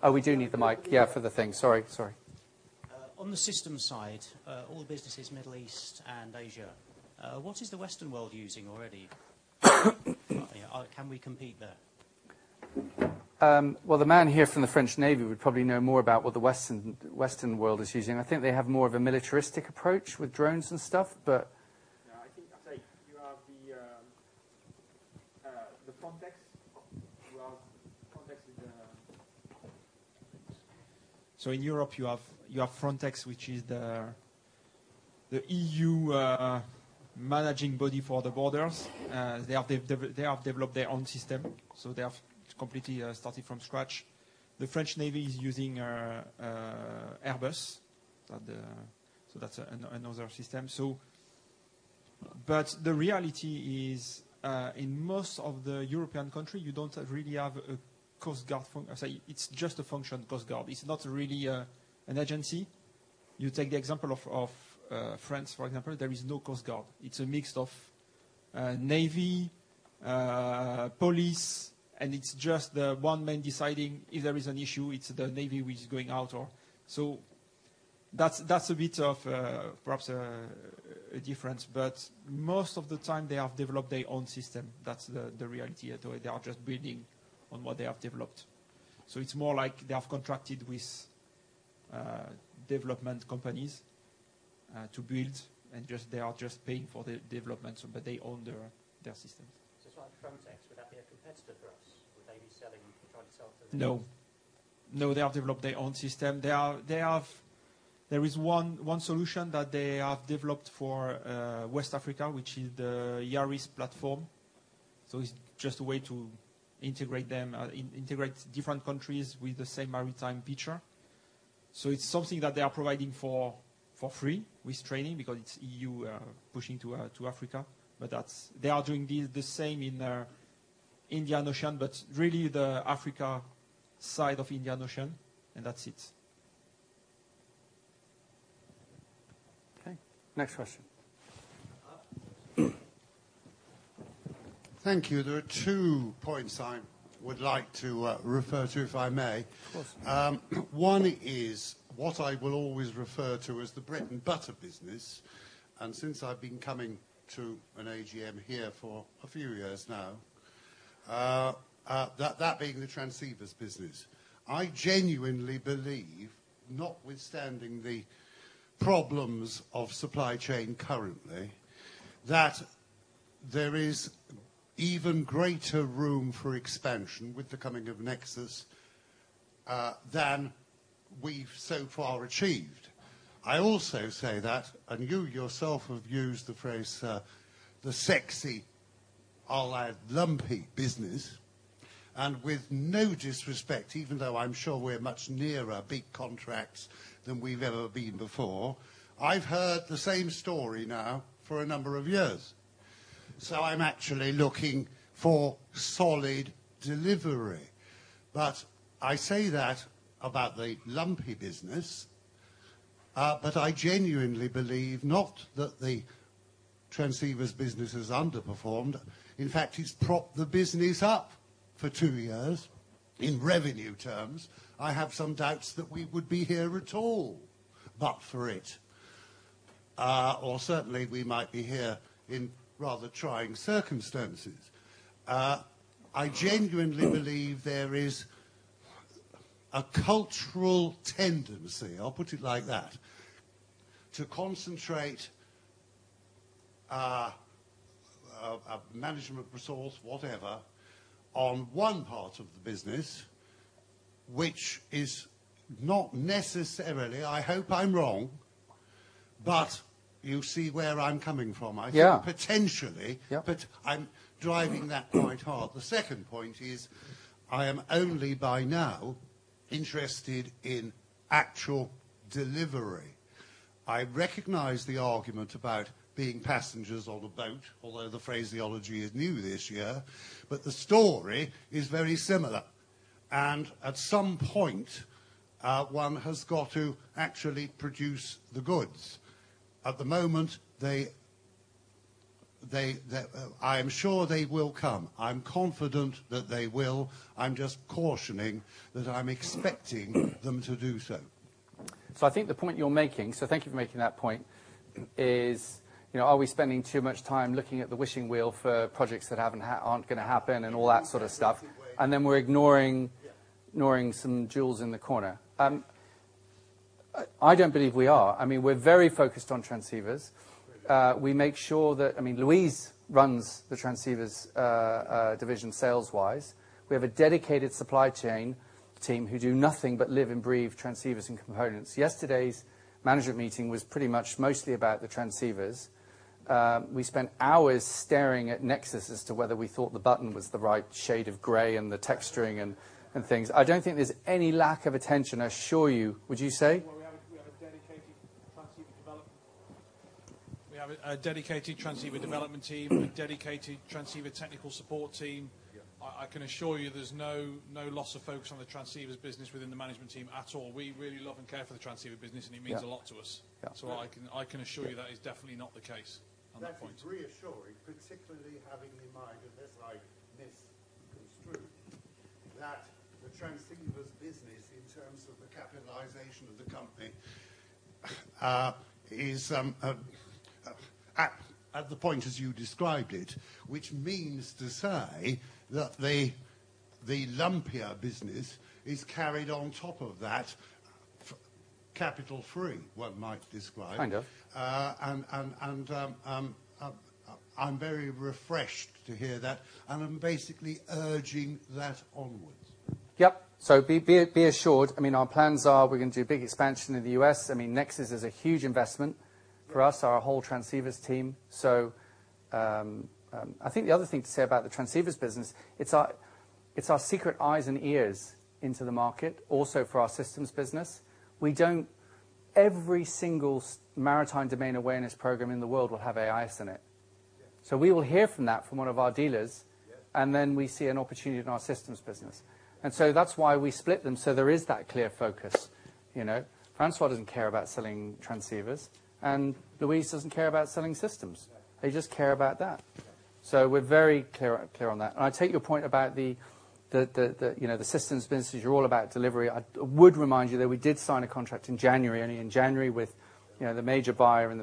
Oh, we do need the mic. Yeah, for the thing. Sorry. On the systems side, all the business is Middle East and Asia. What is the Western world using already? Can we compete there? The man here from the French Navy would probably know more about what the Western world is using. I think they have more of a militaristic approach with drones and stuff, but. Context. You have context with the. In Europe you have Frontex, which is the EU managing body for the borders. They have developed their own system, so they have completely started from scratch. The French Navy is using Airbus. That's another system. The reality is, in most of the European country, you don't have a coast guard function. It's just a coast guard function. It's not really an agency. You take the example of France, for example, there is no coast guard. It's a mix of navy, police, and it's just the one man deciding if there is an issue, it's the navy which is going out or. That's a bit of perhaps a difference. Most of the time they have developed their own system. That's the reality. They are just building on what they have developed. It's more like they have contracted with development companies to build and just they are just paying for the development, but they own their systems. Something like Frontex, would that be a competitor for us? Would they be selling, trying to sell to the? No. No, they have developed their own system. There is one solution that they have developed for West Africa, which is the YARIS platform. It's just a way to integrate them, integrate different countries with the same maritime feature. It's something that they are providing for free with training because it's EU pushing to Africa. They are doing the same in Indian Ocean, but really the Africa side of Indian Ocean, and that's it. Okay. Next question. Thank you. There are two points I would like to refer to, if I may. Of course. One is what I will always refer to as the bread and butter business, and since I've been coming to an AGM here for a few years now, that being the transceivers business. I genuinely believe, notwithstanding the problems of supply chain currently, that there is even greater room for expansion with the coming of NEXUS than we've so far achieved. I also say that, and you yourself have used the phrase, the sexy, I'll add lumpy business, and with no disrespect, even though I'm sure we're much nearer big contracts than we've ever been before, I've heard the same story now for a number of years. I'm actually looking for solid delivery. I say that about the lumpy business, but I genuinely believe not that the transceivers business has underperformed. In fact, it's propped the business up for two years in revenue terms. I have some doubts that we would be here at all, but for it. Certainly we might be here in rather trying circumstances. I genuinely believe there is a cultural tendency, I'll put it like that, to concentrate management resource, whatever, on one part of the business which is not necessarily, I hope I'm wrong, but you see where I'm coming from. Yeah. I think potentially. Yeah. I'm driving that point hard. The second point is, I am only by now interested in actual delivery. I recognize the argument about being passengers on a boat, although the phraseology is new this year, but the story is very similar. At some point, one has got to actually produce the goods. At the moment, they. I am sure they will come. I'm confident that they will. I'm just cautioning that I'm expecting them to do so. I think the point you're making, so thank you for making that point, is, you know, are we spending too much time looking at the wishing wheel for projects that aren't gonna happen and all that sort of stuff? In some ways, yeah. We're ignoring some jewels in the corner. I don't believe we are. I mean, we're very focused on transceivers. We make sure that I mean, Louise runs the transceivers division sales-wise. We have a dedicated supply chain team who do nothing but live and breathe transceivers and components. Yesterday's management meeting was pretty much mostly about the transceivers. We spent hours staring at NEXUS as to whether we thought the button was the right shade of gray and the texturing and things. I don't think there's any lack of attention, I assure you. Would you say? Well, we have a dedicated transceiver development team and a dedicated transceiver technical support team. Yeah. I can assure you there's no loss of focus on the transceivers business within the management team at all. We really love and care for the transceiver business, and it means- Yeah. A lot to us. Yeah. Absolutely. I can assure you that is definitely not the case on that point. That's reassuring, particularly having in mind, unless I misconstrued, that the transceivers business in terms of the capitalization of the company is at the point as you described it, which means to say that the lumpier business is carried on top of that. Capital free, one might describe. Kind of. I'm very refreshed to hear that, and I'm basically urging that onwards. Yep. Be assured, I mean, our plans are we're gonna do a big expansion in the U.S. I mean, NEXUS is a huge investment for us, our whole transceivers team. I think the other thing to say about the transceivers business, it's our secret eyes and ears into the market, also for our systems business. Every single maritime domain awareness program in the world will have AIS in it. Yeah. We will hear from that one of our dealers. Yeah. We see an opportunity in our systems business. That's why we split them, so there is that clear focus. You know, Francois doesn't care about selling transceivers, and Louise doesn't care about selling systems. Yeah. They just care about that. Yeah. We're very clear on that. I take your point about the you know the systems business. You're all about delivery. I would remind you that we did sign a contract in January, only in January, with you know the major buyer in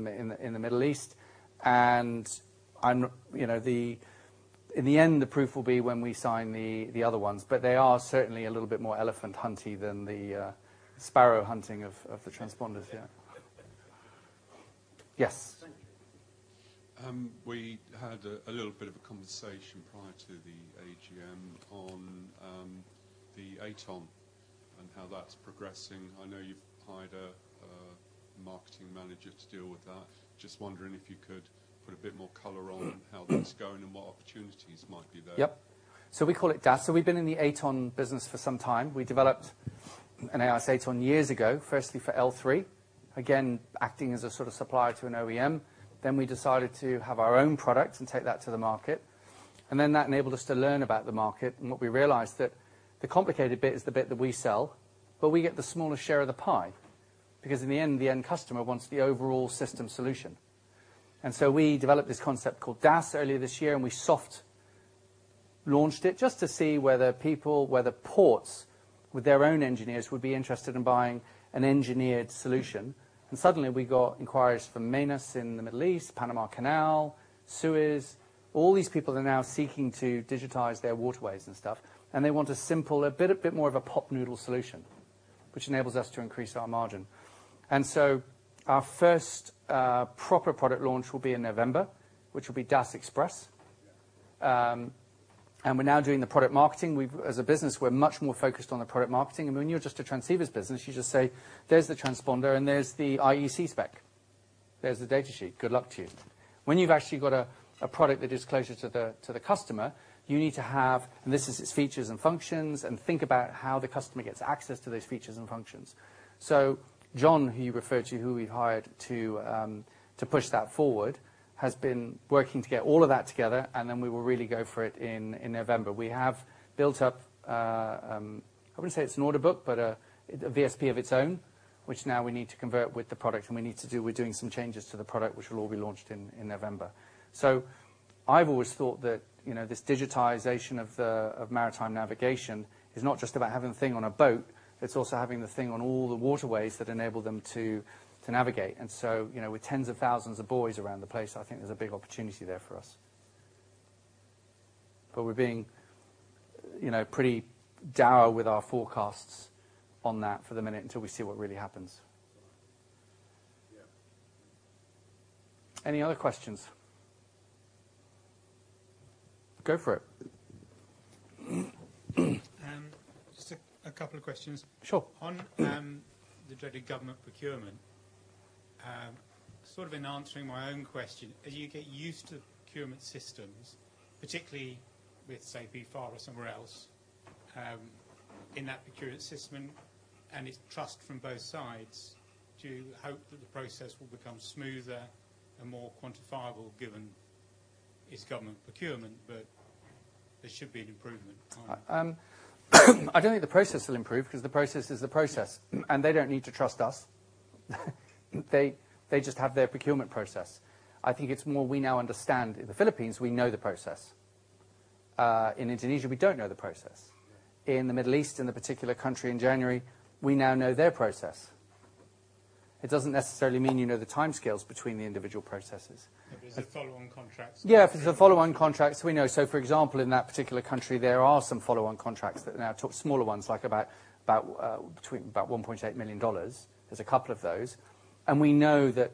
the Middle East. You know in the end the proof will be when we sign the other ones, but they are certainly a little bit more elephant hunty than the sparrow hunting of the transponders. Yeah. Yes? Thank you. We had a little bit of a conversation prior to the AGM on the AtoN and how that's progressing. I know you've hired a marketing manager to deal with that. Just wondering if you could put a bit more color on how that's going and what opportunities might be there. Yep. We call it DAS. We've been in the AtoN business for some time. We developed an AIS AtoN years ago, firstly for L3, again, acting as a sort of supplier to an OEM. We decided to have our own product and take that to the market. That enabled us to learn about the market, and what we realized that the complicated bit is the bit that we sell, but we get the smallest share of the pie. Because in the end, the end customer wants the overall system solution. We developed this concept called DAS earlier this year, and we soft launched it just to see whether people, whether ports with their own engineers would be interested in buying an engineered solution. Suddenly we got inquiries from Manama in the Middle East, Panama Canal, Suez. All these people are now seeking to digitize their waterways and stuff, and they want a simple, a bit more of a Pot Noodle solution, which enables us to increase our margin. Our first proper product launch will be in November, which will be DAS Express. We're now doing the product marketing. We've as a business, we're much more focused on the product marketing. When you're just a transceivers business, you just say, "There's the transponder and there's the IEC spec. There's the data sheet. Good luck to you." When you've actually got a product that is closer to the customer, you need to have, "And this is its features and functions," and think about how the customer gets access to those features and functions. John, who you referred to, who we hired to push that forward, has been working to get all of that together, and then we will really go for it in November. We have built up, I wouldn't say it's an order book, but a VSP of its own, which now we need to convert with the product, and we're doing some changes to the product which will all be launched in November. I've always thought that, you know, this digitization of maritime navigation is not just about having a thing on a boat, it's also having the thing on all the waterways that enable them to navigate. You know, with tens of thousands of buoys around the place, I think there's a big opportunity there for us. We're being, you know, pretty dour with our forecasts on that for the moment until we see what really happens. Yeah. Any other questions? Go for it. Just a couple of questions. Sure. The dreaded government procurement, sort of in answering my own question, as you get used to procurement systems, particularly with, say, BFAR or somewhere else, in that procurement system and its trust from both sides, do you hope that the process will become smoother and more quantifiable given it's government procurement, but there should be an improvement in time? I don't think the process will improve because the process is the process, and they don't need to trust us. They just have their procurement process. I think it's more we now understand. In the Philippines, we know the process. In Indonesia, we don't know the process. Yeah. In the Middle East, in the particular country in January, we now know their process. It doesn't necessarily mean you know the timescales between the individual processes. There's the follow-on contracts. Yeah, for the follow-on contracts, we know. For example, in that particular country, there are some follow-on contracts that are smaller ones, like about $1.8 million. There's a couple of those. We know that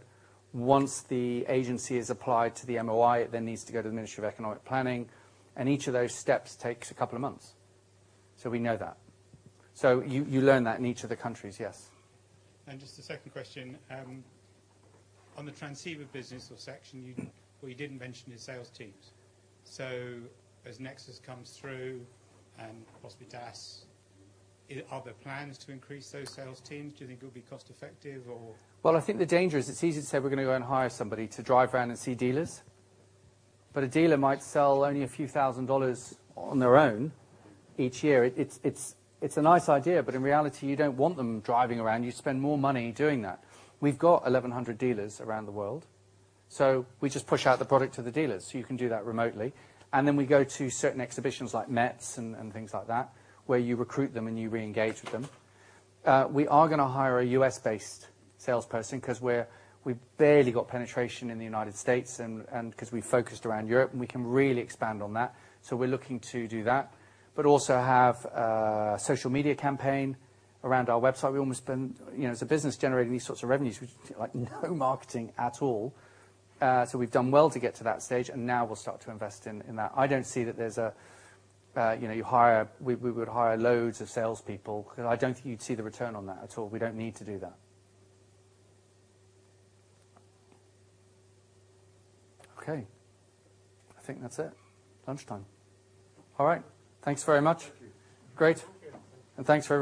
once the agency is applied to the MOI, it then needs to go to the Ministry of Economic Planning, and each of those steps takes a couple of months. We know that. You learn that in each of the countries, yes. Just a second question. On the transceiver business or section, what you didn't mention is sales teams. As NEXUS comes through and possibly DAS, are there plans to increase those sales teams? Do you think it'll be cost-effective or? Well, I think the danger is it's easy to say we're gonna go and hire somebody to drive around and see dealers. A dealer might sell only $a few thousand on their own each year. It's a nice idea, but in reality, you don't want them driving around. You spend more money doing that. We've got 1,100 dealers around the world. We just push out the product to the dealers, so you can do that remotely. Then we go to certain exhibitions like METS and things like that, where you recruit them, and you re-engage with them. We are gonna hire a U.S.-based salesperson 'cause we've barely got penetration in the United States and 'cause we focused around Europe, and we can really expand on that. We're looking to do that, but also have a social media campaign around our website. We almost spend as a business generating these sorts of revenues. We've like no marketing at all. We've done well to get to that stage, and now we'll start to invest in that. I don't see that we would hire loads of salespeople, 'cause I don't think you'd see the return on that at all. We don't need to do that. Okay, I think that's it. Lunchtime. All right. Thanks very much. Thank you. Great. Thank you. Thanks for everybody.